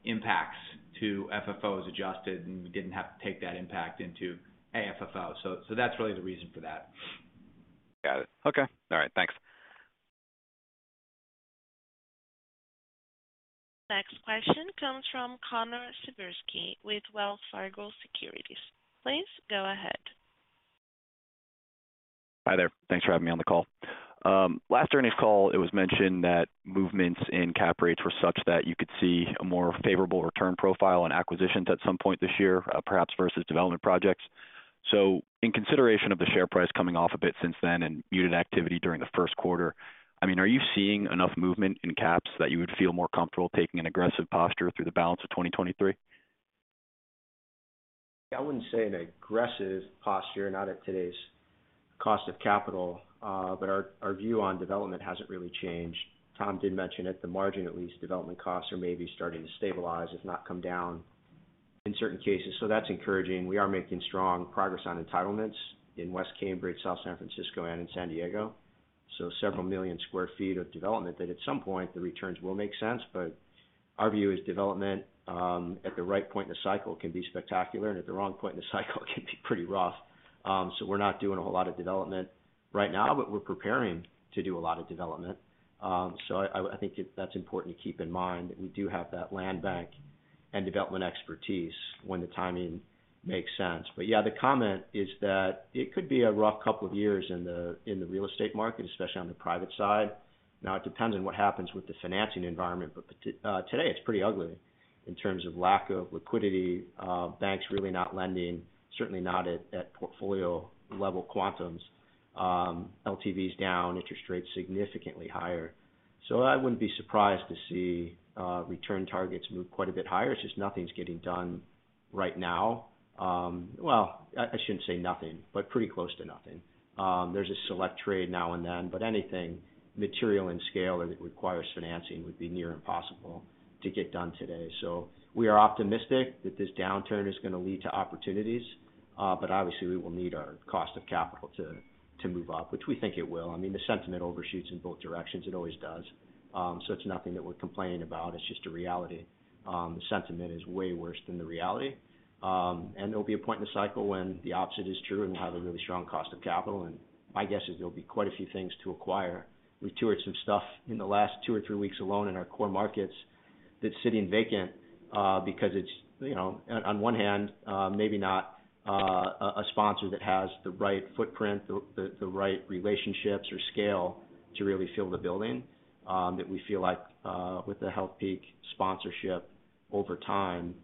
impacts to FFOs adjusted, we didn't have to take that impact into AFFO. That's really the reason for that. Got it. Okay. All right. Thanks. Next question comes from Connor Siversky with Wells Fargo Securities. Please go ahead. Hi there. Thanks for having me on the call. Last earnings call, it was mentioned that movements in cap rates were such that you could see a more favorable return profile on acquisitions at some point this year, perhaps versus development projects. In consideration of the share price coming off a bit since then and muted activity during the first quarter, I mean, are you seeing enough movement in caps that you would feel more comfortable taking an aggressive posture through the balance of 2023? I wouldn't say an aggressive posture, not at today's cost of capital. Our view on development hasn't really changed. Tom did mention at the margin, at least, development costs are maybe starting to stabilize, if not come down in certain cases. That's encouraging. We are making strong progress on entitlements in West Cambridge, South San Francisco and in San Diego. Several million sq ft of development that at some point the returns will make sense. Our view is development at the right point in the cycle can be spectacular, and at the wrong point in the cycle can be pretty rough. We're not doing a whole lot of development right now, but we're preparing to do a lot of development. I think that's important to keep in mind that we do have that land bank and development expertise when the timing makes sense. Yeah, the comment is that it could be a rough couple of years in the, in the real estate market, especially on the private side. It depends on what happens with the financing environment, but today it's pretty ugly in terms of lack of liquidity, banks really not lending, certainly not at portfolio level quantums, LTVs down, interest rates significantly higher. I wouldn't be surprised to see return targets move quite a bit higher. It's just nothing's getting done right now. Well, I shouldn't say nothing, but pretty close to nothing. There's a select trade now and then, but anything material in scale or that requires financing would be near impossible to get done today. We are optimistic that this downturn is gonna lead to opportunities, but obviously we will need our cost of capital to move up, which we think it will. I mean, the sentiment overshoots in both directions. It always does. It's nothing that we're complaining about. It's just a reality. The sentiment is way worse than the reality. There'll be a point in the cycle when the opposite is true, and we'll have a really strong cost of capital. My guess is there'll be quite a few things to acquire. We toured some stuff in the last 2 or 3 weeks alone in our core markets that's sitting vacant, because it's on 1 hand, maybe not a sponsor that has the right footprint, the right relationships or scale to really fill the building, that we feel like with the Healthpeak sponsorship over time,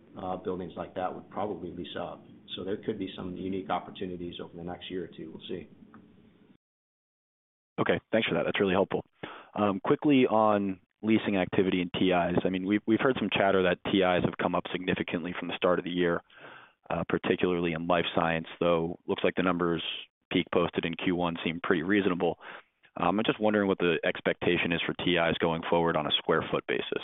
buildings like that would probably lease up. There could be some unique opportunities over the next year or 2. We'll see. Okay. Thanks for that. That's really helpful. Quickly on leasing activity and TIs. I mean, we've heard some chatter that TIs have come up significantly from the start of the year, particularly in life science, though looks like the numbers Peak posted in Q1 seem pretty reasonable. I'm just wondering what the expectation is for TIs going forward on a square foot basis.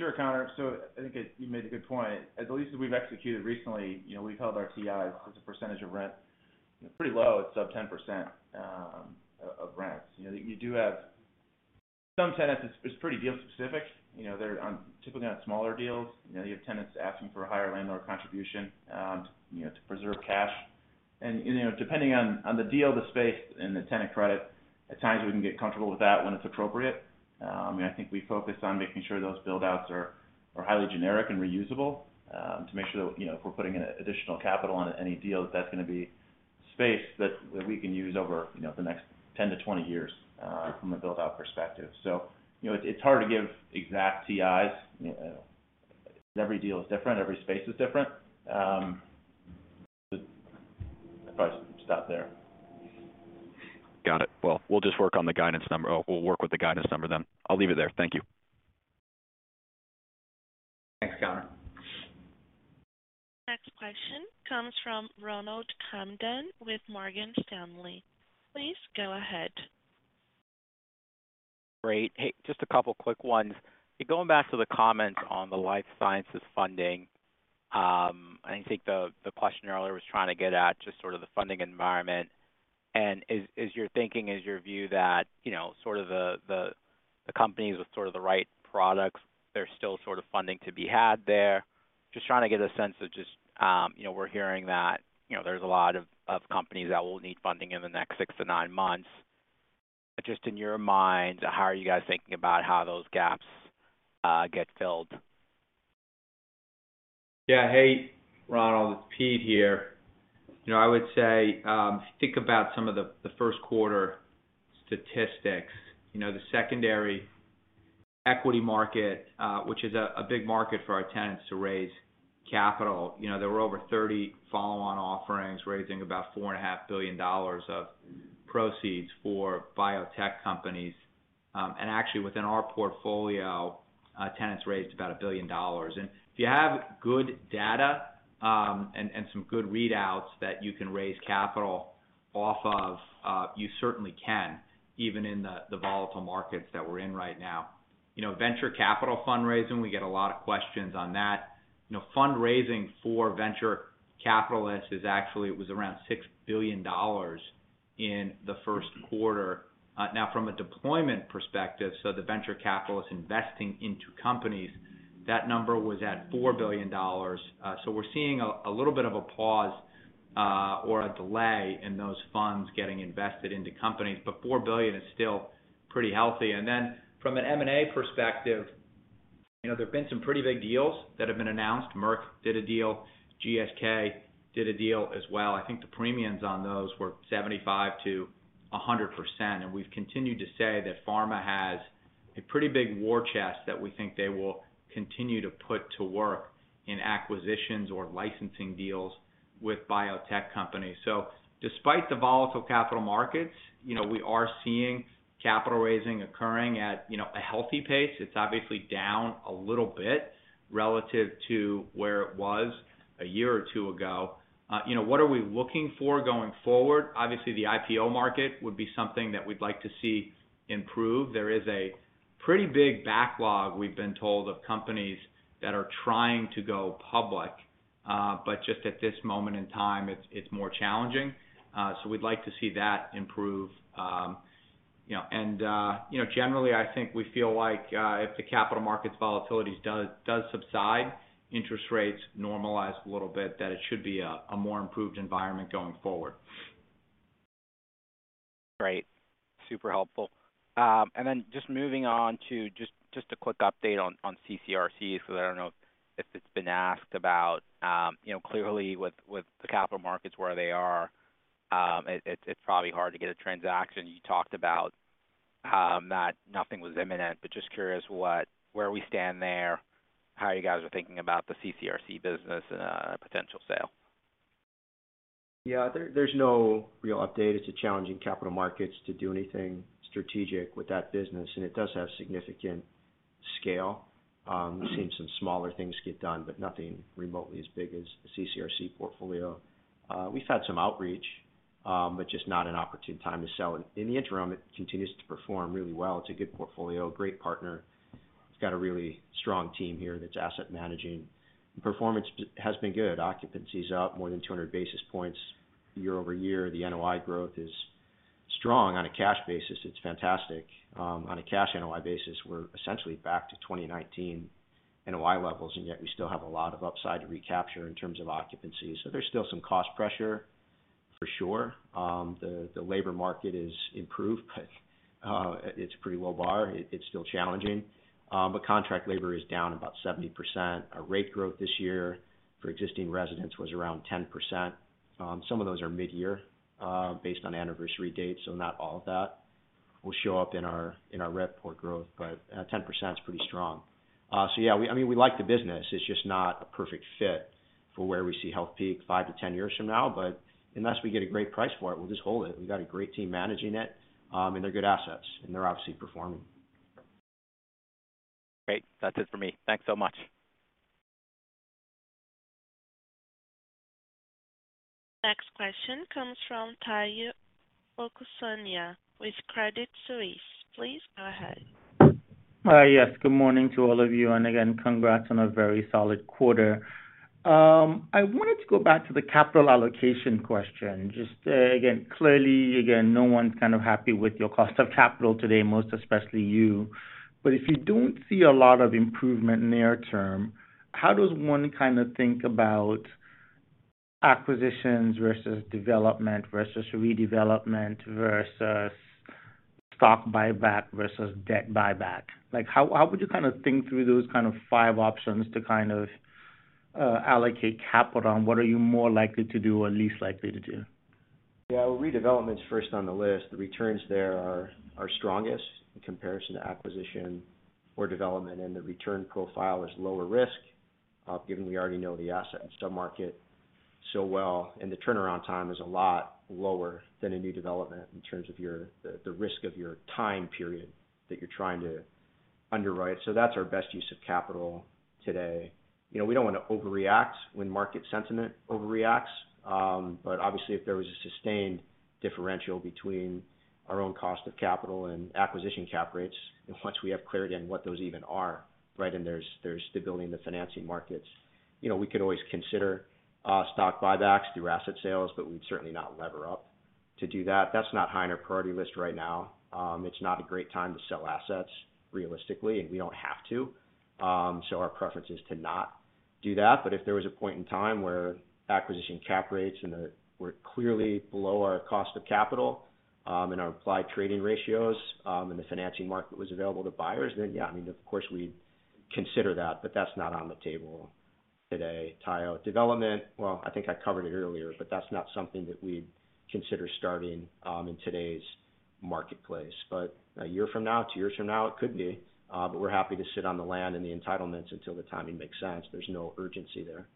Sure, Connor. I think you made a good point. At least as we've executed recently, you know, we've held our TIs as a percentage of rent pretty low, at sub 10% of rents. You know, you do have some tenants, it's pretty deal specific. You know, they're typically on smaller deals. You know, you have tenants asking for a higher landlord contribution, you know, to preserve cash. You know, depending on the deal, the space and the tenant credit, at times we can get comfortable with that when it's appropriate. I mean, I think we focus on making sure those build outs are highly generic and reusable, to make sure that, you know, if we're putting in additional capital on any deal, that's gonna be space that we can use over, you know, the next 10 to 20 years from a build out perspective. You know, it's hard to give exact TIs. Every deal is different, every space is different. I'd probably stop there. Got it. We'll just work on the guidance number. We'll work with the guidance number then. I'll leave it there. Thank you. Thanks, Connor. Next question comes from Ronald Kamdem with Morgan Stanley. Please go ahead. Great. Hey, just a couple quick ones. Going back to the comments on the life sciences funding, I think the question earlier was trying to get at just sort of the funding environment. Is your thinking, is your view that, you know, sort of the companies with sort of the right products, there's still sort of funding to be had there? Just trying to get a sense of just, you know, we're hearing that, you know, there's a lot of companies that will need funding in the next 6 to 9 months. Just in your mind, how are you guys thinking about how those gaps get filled? Yeah. Hey, Ronald Kamdem, it's Peter Scott here. You know, I would say, think about some of the first quarter statistics. You know, the secondary equity market, which is a big market for our tenants to raise capital. You know, there were over 30 follow-on offerings, raising about $4.5 billion of proceeds for biotech companies. Actually, within our portfolio, tenants raised about $1 billion. If you have good data, and some good readouts that you can raise capital off of, you certainly can, even in the volatile markets that we're in right now. You know, venture capital fundraising, we get a lot of questions on that. You know, fundraising for venture capitalists is actually, it was around $6 billion in the first quarter. From a deployment perspective, the venture capitalists investing into companies. That number was at $4 billion. We're seeing a little bit of a pause or a delay in those funds getting invested into companies, but $4 billion is still pretty healthy. From an M&A perspective, you know, there have been some pretty big deals that have been announced. Merck did a deal, GSK did a deal as well. I think the premiums on those were 75%-100%. We've continued to say that pharma has a pretty big war chest that we think they will continue to put to work in acquisitions or licensing deals with biotech companies. Despite the volatile capital markets, you know, we are seeing capital raising occurring at, you know, a healthy pace. It's obviously down a little bit relative to where it was a year or two ago. You know, what are we looking for going forward? Obviously, the IPO market would be something that we'd like to see improve. There is a pretty big backlog, we've been told, of companies that are trying to go public. Just at this moment in time, it's more challenging. So we'd like to see that improve. You know, and, you know, generally, I think we feel like, if the capital markets volatility does subside, interest rates normalize a little bit, that it should be a more improved environment going forward. Great. Super helpful. Just moving on to just a quick update on CCRC, so I don't know if it's been asked about. You know, clearly with the capital markets where they are, it's probably hard to get a transaction. You talked about that nothing was imminent, but just curious where we stand there, how you guys are thinking about the CCRC business and a potential sale. There's no real update. It's challenging capital markets to do anything strategic with that business, and it does have significant scale. We've seen some smaller things get done, but nothing remotely as big as the CCRC portfolio. We've had some outreach, but just not an opportune time to sell. In the interim, it continues to perform really well. It's a good portfolio, great partner. It's got a really strong team here that's asset managing. Performance has been good. Occupancy is up more than 200 basis points year-over-year. The NOI growth is strong. On a cash basis, it's fantastic. On a cash NOI basis, we're essentially back to 2019 NOI levels, and yet we still have a lot of upside to recapture in terms of occupancy. There's still some cost pressure for sure. The labor market is improved, but it's a pretty low bar. It's still challenging. Contract labor is down about 70%. Our rate growth this year for existing residents was around 10%. Some of those are mid-year, based on anniversary dates, so not all of that will show up in our report growth, but 10% is pretty strong. Yeah, I mean, we like the business. It's just not a perfect fit for where we see Healthpeak five to 10 years from now. Unless we get a great price for it, we'll just hold it. We got a great team managing it, and they're good assets, and they're obviously performing. Great. That's it for me. Thanks so much. Next question comes from Tayo Okusanya with Credit Suisse. Please go ahead. Yes. Good morning to all of you, again, congrats on a very solid quarter. I wanted to go back to the capital allocation question. Just again, clearly, again, no one's kind of happy with your cost of capital today, most especially you. If you don't see a lot of improvement near term, how does one kind of think about acquisitions versus development versus redevelopment versus stock buyback versus debt buyback? Like, how would you kind of think through those kind of five options to kind of allocate capital, and what are you more likely to do or least likely to do? Well, redevelopment's first on the list. The returns there are strongest in comparison to acquisition or development, and the return profile is lower risk given we already know the asset and sub-market so well, and the turnaround time is a lot lower than a new development in terms of the risk of your time period that you're trying to underwrite. That's our best use of capital today. You know, we don't wanna overreact when market sentiment overreacts. Obviously, if there was a sustained differential between our own cost of capital and acquisition cap rates, and once we have cleared in what those even are, right, and there's stability in the financing markets, you know, we could always consider stock buybacks through asset sales, but we'd certainly not lever up to do that. That's not high on our priority list right now. It's not a great time to sell assets realistically, we don't have to. Our preference is to not do that. If there was a point in time where acquisition cap rates and were clearly below our cost of capital, and our applied trading ratios, and the financing market was available to buyers, yeah, I mean, of course we'd consider that's not on the table today. Tayo, development, well, I think I covered it earlier, that's not something that we'd consider starting in today's marketplace. One year from now, two years from now, it could be. We're happy to sit on the land and the entitlements until the timing makes sense. There's no urgency there.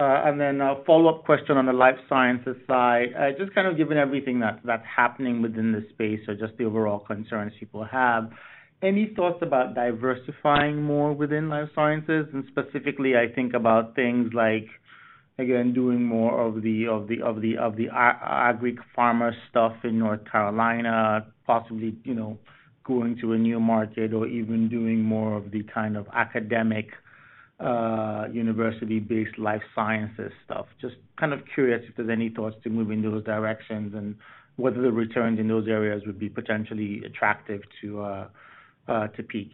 Gotcha. Then a follow-up question on the life sciences side. Just kind of given everything that's happening within the space or just the overall concerns people have, any thoughts about diversifying more within life sciences? Specifically, I think about things like, again, doing more of the agric farmer stuff in North Carolina, possibly, you know, going to a new market or even doing more of the kind of academic university-based life sciences stuff. Just kind of curious if there's any thoughts to move in those directions and whether the returns in those areas would be potentially attractive to PEAK.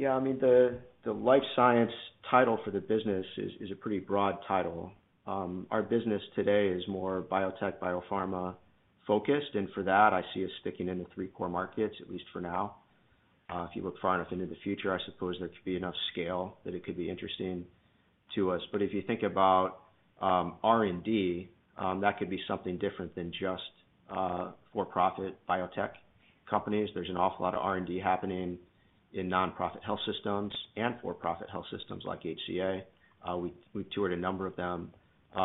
Yeah. I mean, the life science title for the business is a pretty broad title. Our business today is more biotech, biopharma-focused, and for that, I see us sticking in the 3 core markets, at least for now. If you look far enough into the future, I suppose there could be enough scale that it could be interesting to us. If you think about R&D, that could be something different than just for-profit biotech companies. There's an awful lot of R&D happening in nonprofit health systems and for-profit health systems like HCA. We, we toured a number of them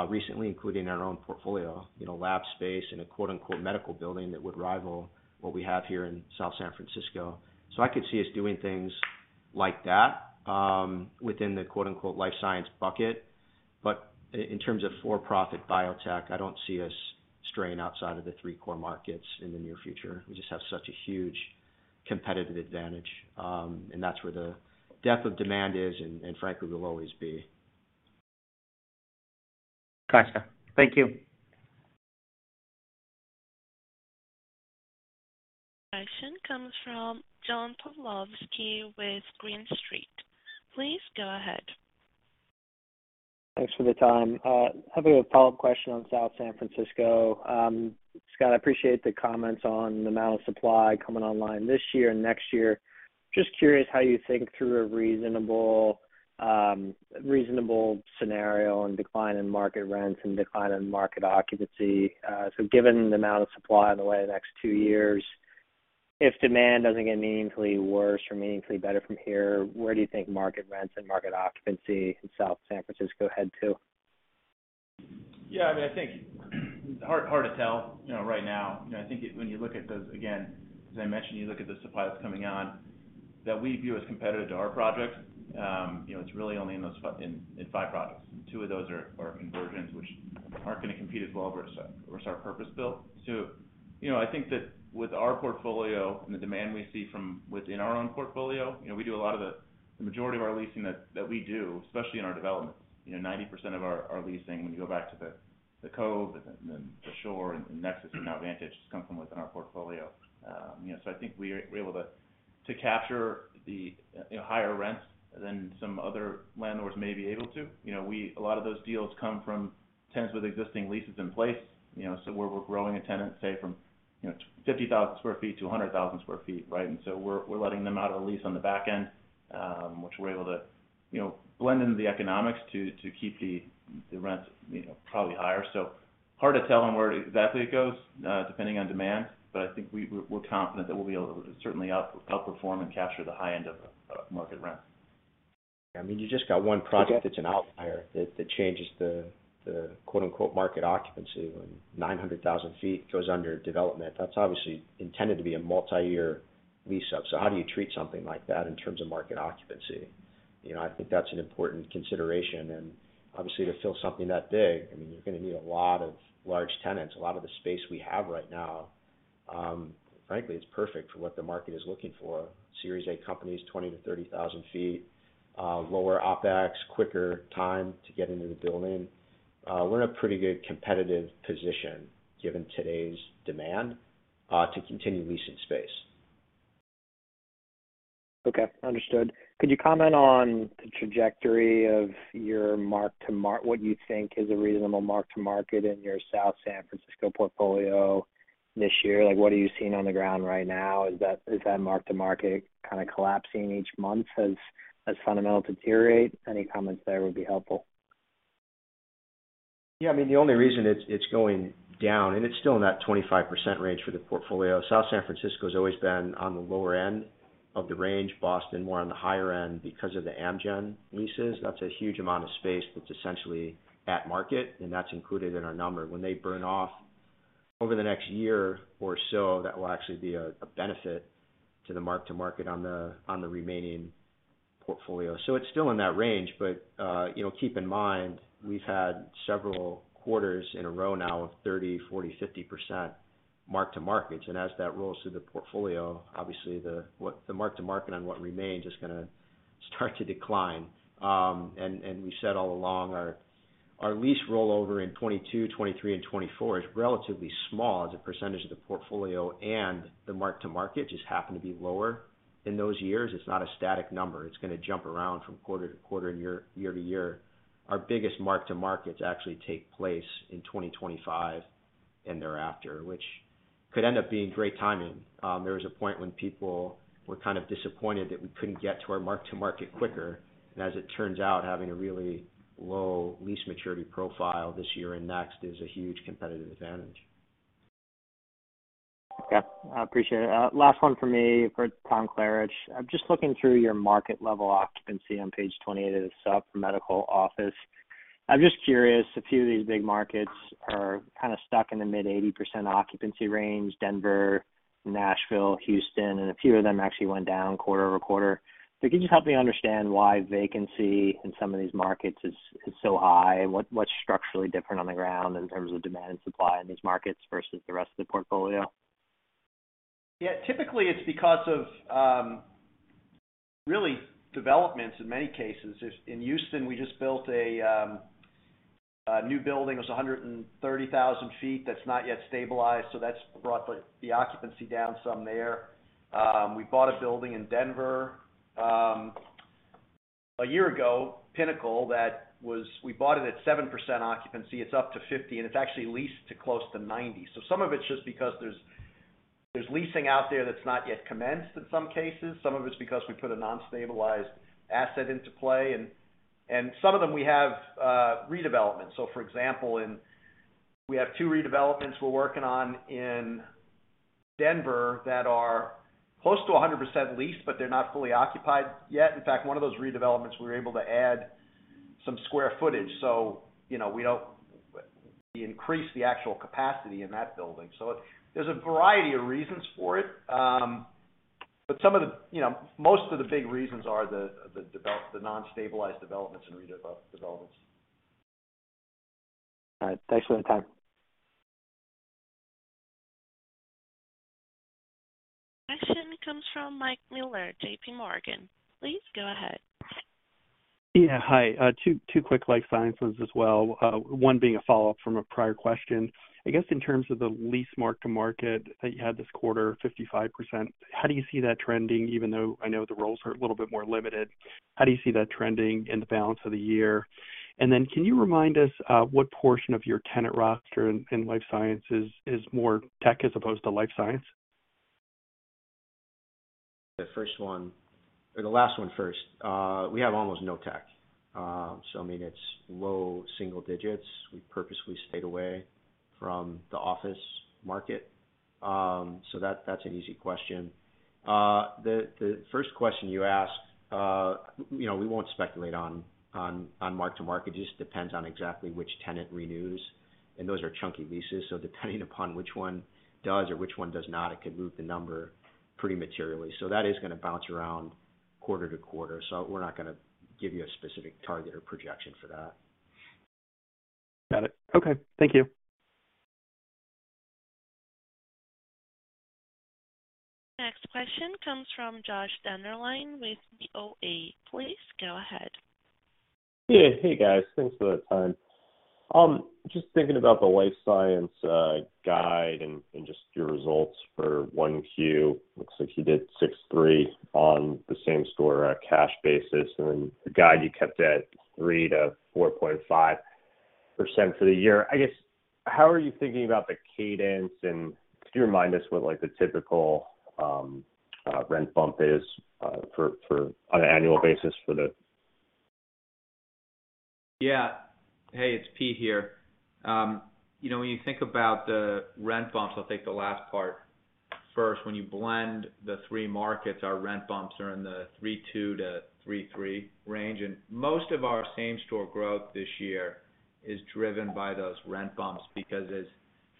recently, including our own portfolio, you know, lab space in a quote-unquote medical building that would rival what we have here in South San Francisco. I could see us doing things like that within the quote-unquote life science bucket. In terms of for-profit biotech, I don't see us straying outside of the 3 core markets in the near future. We just have such a huge competitive advantage, and that's where the depth of demand is and frankly, will always be. Gotcha. Thank you. Next question comes from John Pawlowski with Green Street. Please go ahead. Thanks for the time. Having a follow-up question on South San Francisco. Scott, I appreciate the comments on the amount of supply coming online this year and next year. Just curious how you think through a reasonable scenario and decline in market rents and decline in market occupancy. Given the amount of supply in the way the next two years, if demand doesn't get meaningfully worse or meaningfully better from here, where do you think market rents and market occupancy in South San Francisco head to? Yeah, I mean, I think it's hard to tell, you know, right now. You know, I think when you look at those again, as I mentioned, you look at the supply that's coming on that we view as competitive to our project, you know, it's really only in those in 5 products. Two of those are conversions which aren't gonna compete as well versus our purpose-built. You know, I think that with our portfolio and the demand we see from within our own portfolio, you know, we do a lot of the majority of our leasing that we do, especially in our developments, you know, 90% of our leasing, when you go back to The Cove and then The Shore and Nexus, and now Vantage, just come from within our portfolio. You know, I think we're able to capture the, you know, higher rents than some other landlords may be able to. You know, a lot of those deals come from tenants with existing leases in place, you know, so we're growing a tenant, say, from, you know, 50,000 sq ft to 100,000 sq ft, right? We're letting them out of the lease on the back end, which we're able to, you know, blend into the economics to keep the rents, you know, probably higher. Hard to tell on where exactly it goes, depending on demand, but I think we're confident that we'll be able to certainly outperform and capture the high end of market rent. I mean, you just got one project that's an outlier that changes the quote-unquote market occupancy when 900,000 sq ft goes under development. That's obviously intended to be a multiyear lease-up. How do you treat something like that in terms of market occupancy? You know, I think that's an important consideration. Obviously, to fill something that big, I mean, you're gonna need a lot of large tenants. A lot of the space we have right now, frankly, is perfect for what the market is looking for. Series A companies, 20,000-30,000 sq ft, lower OpEx, quicker time to get into the building. We're in a pretty good competitive position given today's demand to continue leasing space. Okay. Understood. Could you comment on the trajectory of your mark to what you think is a reasonable mark-to-market in your South San Francisco portfolio this year? Like, what are you seeing on the ground right now? Is that mark-to-market kind of collapsing each month as fundamentals deteriorate? Any comments there would be helpful. I mean, the only reason it's going down, and it's still in that 25% range for the portfolio. South San Francisco's always been on the lower end of the range, Boston more on the higher end because of the Amgen leases. That's a huge amount of space that's essentially at market, and that's included in our number. When they burn off over the next year or so, that will actually be a benefit to the mark-to-market on the, on the remaining portfolio. It's still in that range. You know, keep in mind, we've had several quarters in a row now of 30%, 40%, 50% mark-to-markets. As that rolls through the portfolio, obviously the mark-to-market on what remains is gonna start to decline. We said all along our lease rollover in 2022, 2023, and 2024 is relatively small as a percentage of the portfolio, and the mark-to-market just happen to be lower in those years. It's not a static number. It's gonna jump around from quarter to quarter and year to year. Our biggest mark-to-markets actually take place in 2025 and thereafter, which could end up being great timing. There was a point when people were kind of disappointed that we couldn't get to our mark-to-market quicker. As it turns out, having a really low lease maturity profile this year and next is a huge competitive advantage. Okay. I appreciate it. Last one for me, for Tom Klaritch. I'm just looking through your market level occupancy on page 28 of the sup for medical office. I'm just curious, a few of these big markets are kinda stuck in the mid-80% occupancy range, Denver, Nashville, Houston, and a few of them actually went down quarter-over-quarter. Can you just help me understand why vacancy in some of these markets is so high? What, what's structurally different on the ground in terms of demand and supply in these markets versus the rest of the portfolio? Typically it's because of really developments in many cases. In Houston, we just built a new building. It was 130,000 sq ft that's not yet stabilized, so that's brought like the occupancy down some there. We bought a building in Denver, a year ago, Pinnacle, we bought it at 7% occupancy. It's up to 50%, and it's actually leased to close to 90%. Some of it's just because there's leasing out there that's not yet commenced in some cases. Some of it's because we put a non-stabilized asset into play. Some of them we have redevelopment. For example, we have two redevelopments we're working on in Denver that are close to 100% leased, but they're not fully occupied yet. One of those redevelopments, we were able to add some square footage, so you know, we increased the actual capacity in that building. There's a variety of reasons for it. Some of the, you know, most of the big reasons are the non-stabilized developments and developments. All right. Thanks for the time. Question comes from Mike Mueller, JPMorgan. Please go ahead. Hi. 2 quick life sciences as well. One being a follow-up from a prior question. I guess in terms of the lease mark-to-market that you had this quarter, 55%, how do you see that trending even though I know the roles are a little bit more limited. How do you see that trending in the balance of the year? Can you remind us what portion of your tenant roster in life sciences is more tech as opposed to life science? The first one or the last one first. We have almost no tech. I mean, it's low single digits. We purposely stayed away from the office market. So that's an easy question. The first question you asked, you know, we won't speculate on mark-to-market. It just depends on exactly which tenant renews. Those are chunky leases, so depending upon which one does or which one does not, it could move the number pretty materially. That is gonna bounce around quarter to quarter, so we're not gonna give you a specific target or projection for that. Got it. Okay. Thank you. Next question comes from Josh Dennerlein with BofA. Please go ahead. Hey, guys. Thanks for the time. Just thinking about the life science guide and just your results for 1Q. Looks like you did 6.3% on the same-store cash basis. The guide you kept at 3%-4.5% for the year. I guess, how are you thinking about the cadence? Could you remind us what, like, the typical rent bump is for on an annual basis for the- Yeah. Hey, it's Pete here. You know, when you think about the rent bumps, I'll take the last part first. When you blend the 3 markets, our rent bumps are in the 3.2%-3.3% range. Most of our same-store growth this year is driven by those rent bumps because as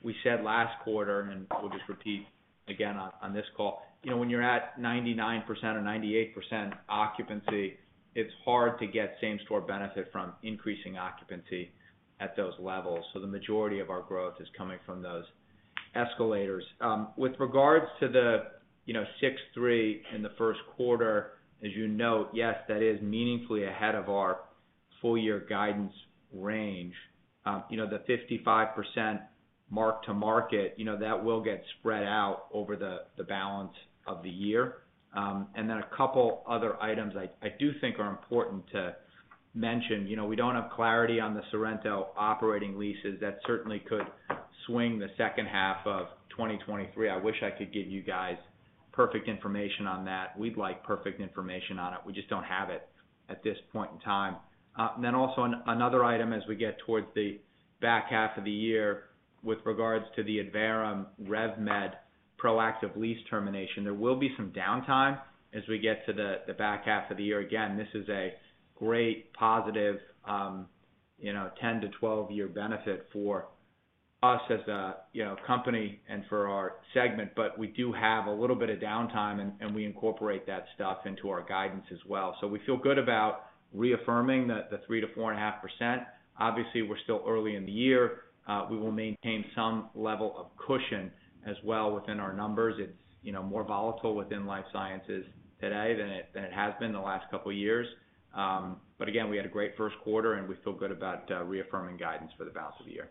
we said last quarter, and we'll just repeat again on this call. You know, when you're at 99% or 98% occupancy, it's hard to get same-store benefit from increasing occupancy at those levels. The majority of our growth is coming from those escalators. With regards to the, you know, 6.3% in the 1st quarter, as you note, yes, that is meaningfully ahead of our full year guidance range. You know, the 55% mark-to-market, you know, that will get spread out over the balance of the year. A couple other items I do think are important to mention. You know, we don't have clarity on the Sorrento operating leases that certainly could swing the second half of 2023. I wish I could give you guys perfect information on that. We'd like perfect information on it. We just don't have it at this point in time. Also another item as we get towards the back half of the year with regards to the Adverum RevMed proactive lease termination. There will be some downtime as we get to the back half of the year. This is a great positive, you know, 10-12 year benefit for us as a, you know, company and for our segment. We do have a little bit of downtime, and we incorporate that stuff into our guidance as well. We feel good about reaffirming the 3% to 4.5%. Obviously, we're still early in the year. We will maintain some level of cushion as well within our numbers. It's, you know, more volatile within life sciences today than it has been the last couple of years. But again, we had a great first quarter, and we feel good about reaffirming guidance for the balance of the year.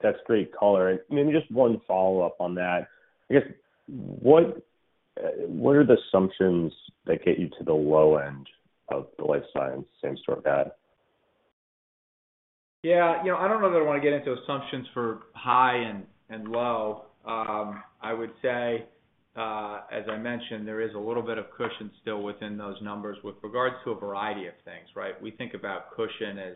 That's great color. Maybe just one follow-up on that. I guess, what are the assumptions that get you to the low end of the life science same-store guide? Yeah. You know, I don't know that I want to get into assumptions for high and low. I would say, as I mentioned, there is a little bit of cushion still within those numbers with regards to a variety of things, right? We think about cushion as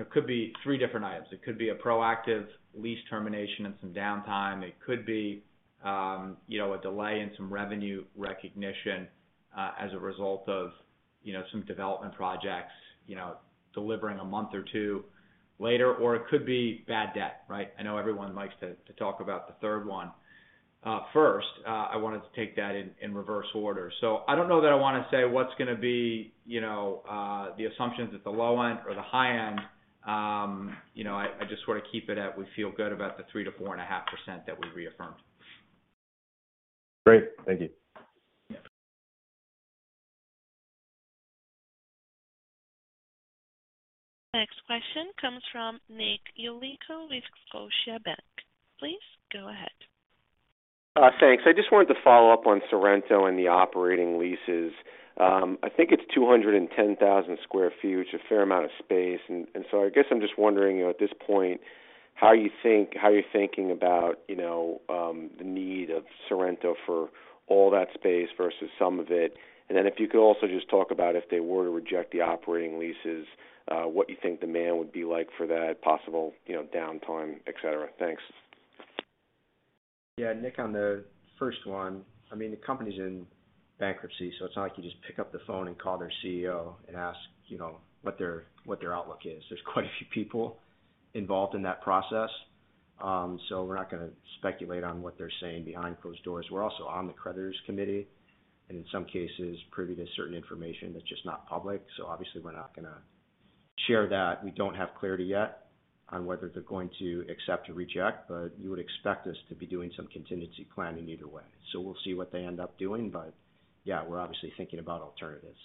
it could be three different items. It could be a proactive lease termination and some downtime. It could be, you know, a delay in some revenue recognition, as a result of, you know, some development projects, you know, delivering a month or two later. It could be bad debt, right? I know everyone likes to talk about the third one first. I wanted to take that in reverse order. I don't know that I wanna say what's gonna be, you know, the assumptions at the low end or the high end. You know, I just sort of keep it at we feel good about the 3% to 4.5% that we reaffirmed. Great. Thank you. Yeah. Next question comes from Nick Yulico with Scotiabank. Please go ahead. Thanks. I just wanted to follow up on Sorrento and the operating leases. I think it's 210,000 sq ft, which is a fair amount of space. I guess I'm just wondering at this point, how you're thinking about the need of Sorrento for all that space versus some of it. If you could also just talk about if they were to reject the operating leases, what you think demand would be like for that possible downtime, et cetera. Thanks. Yeah, Nick, on the first one, I mean, the company's in bankruptcy, it's not like you just pick up the phone and call their CEO and ask, you know, what their, what their outlook is. There's quite a few people involved in that process. We're not gonna speculate on what they're saying behind closed doors. We're also on the creditors committee, in some cases, privy to certain information that's just not public. Obviously, we're not gonna share that. We don't have clarity yet on whether they're going to accept or reject, you would expect us to be doing some contingency planning either way. We'll see what they end up doing. Yeah, we're obviously thinking about alternatives.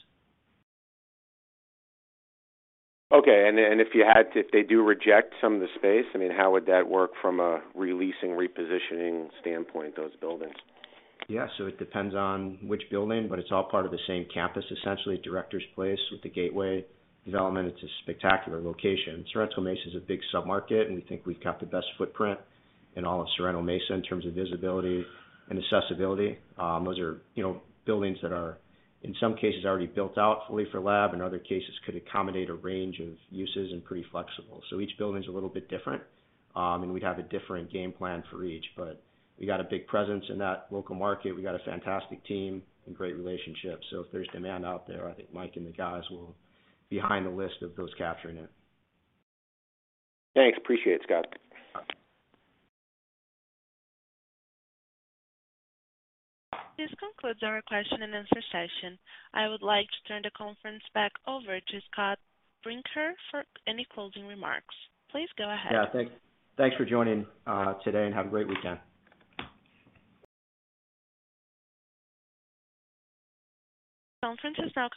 Okay. If they do reject some of the space, I mean, how would that work from a re-leasing, repositioning standpoint, those buildings? It depends on which building, but it's all part of the same campus, essentially, Directors Place with the Gateway development. It's a spectacular location. Sorrento Mesa is a big sub-market, and we think we've got the best footprint in all of Sorrento Mesa in terms of visibility and accessibility. Those are, you know, buildings that are, in some cases, already built out fully for lab. In other cases, could accommodate a range of uses and pretty flexible. Each building's a little bit different, and we'd have a different game plan for each. We got a big presence in that local market. We got a fantastic team and great relationships. If there's demand out there, I think Mike and the guys will be high on the list of those capturing it. Thanks. Appreciate it, Scott. This concludes our question and answer session. I would like to turn the conference back over to Scott Brinker for any closing remarks. Please go ahead. Thanks for joining today and have a great weekend. Conference is now concluded.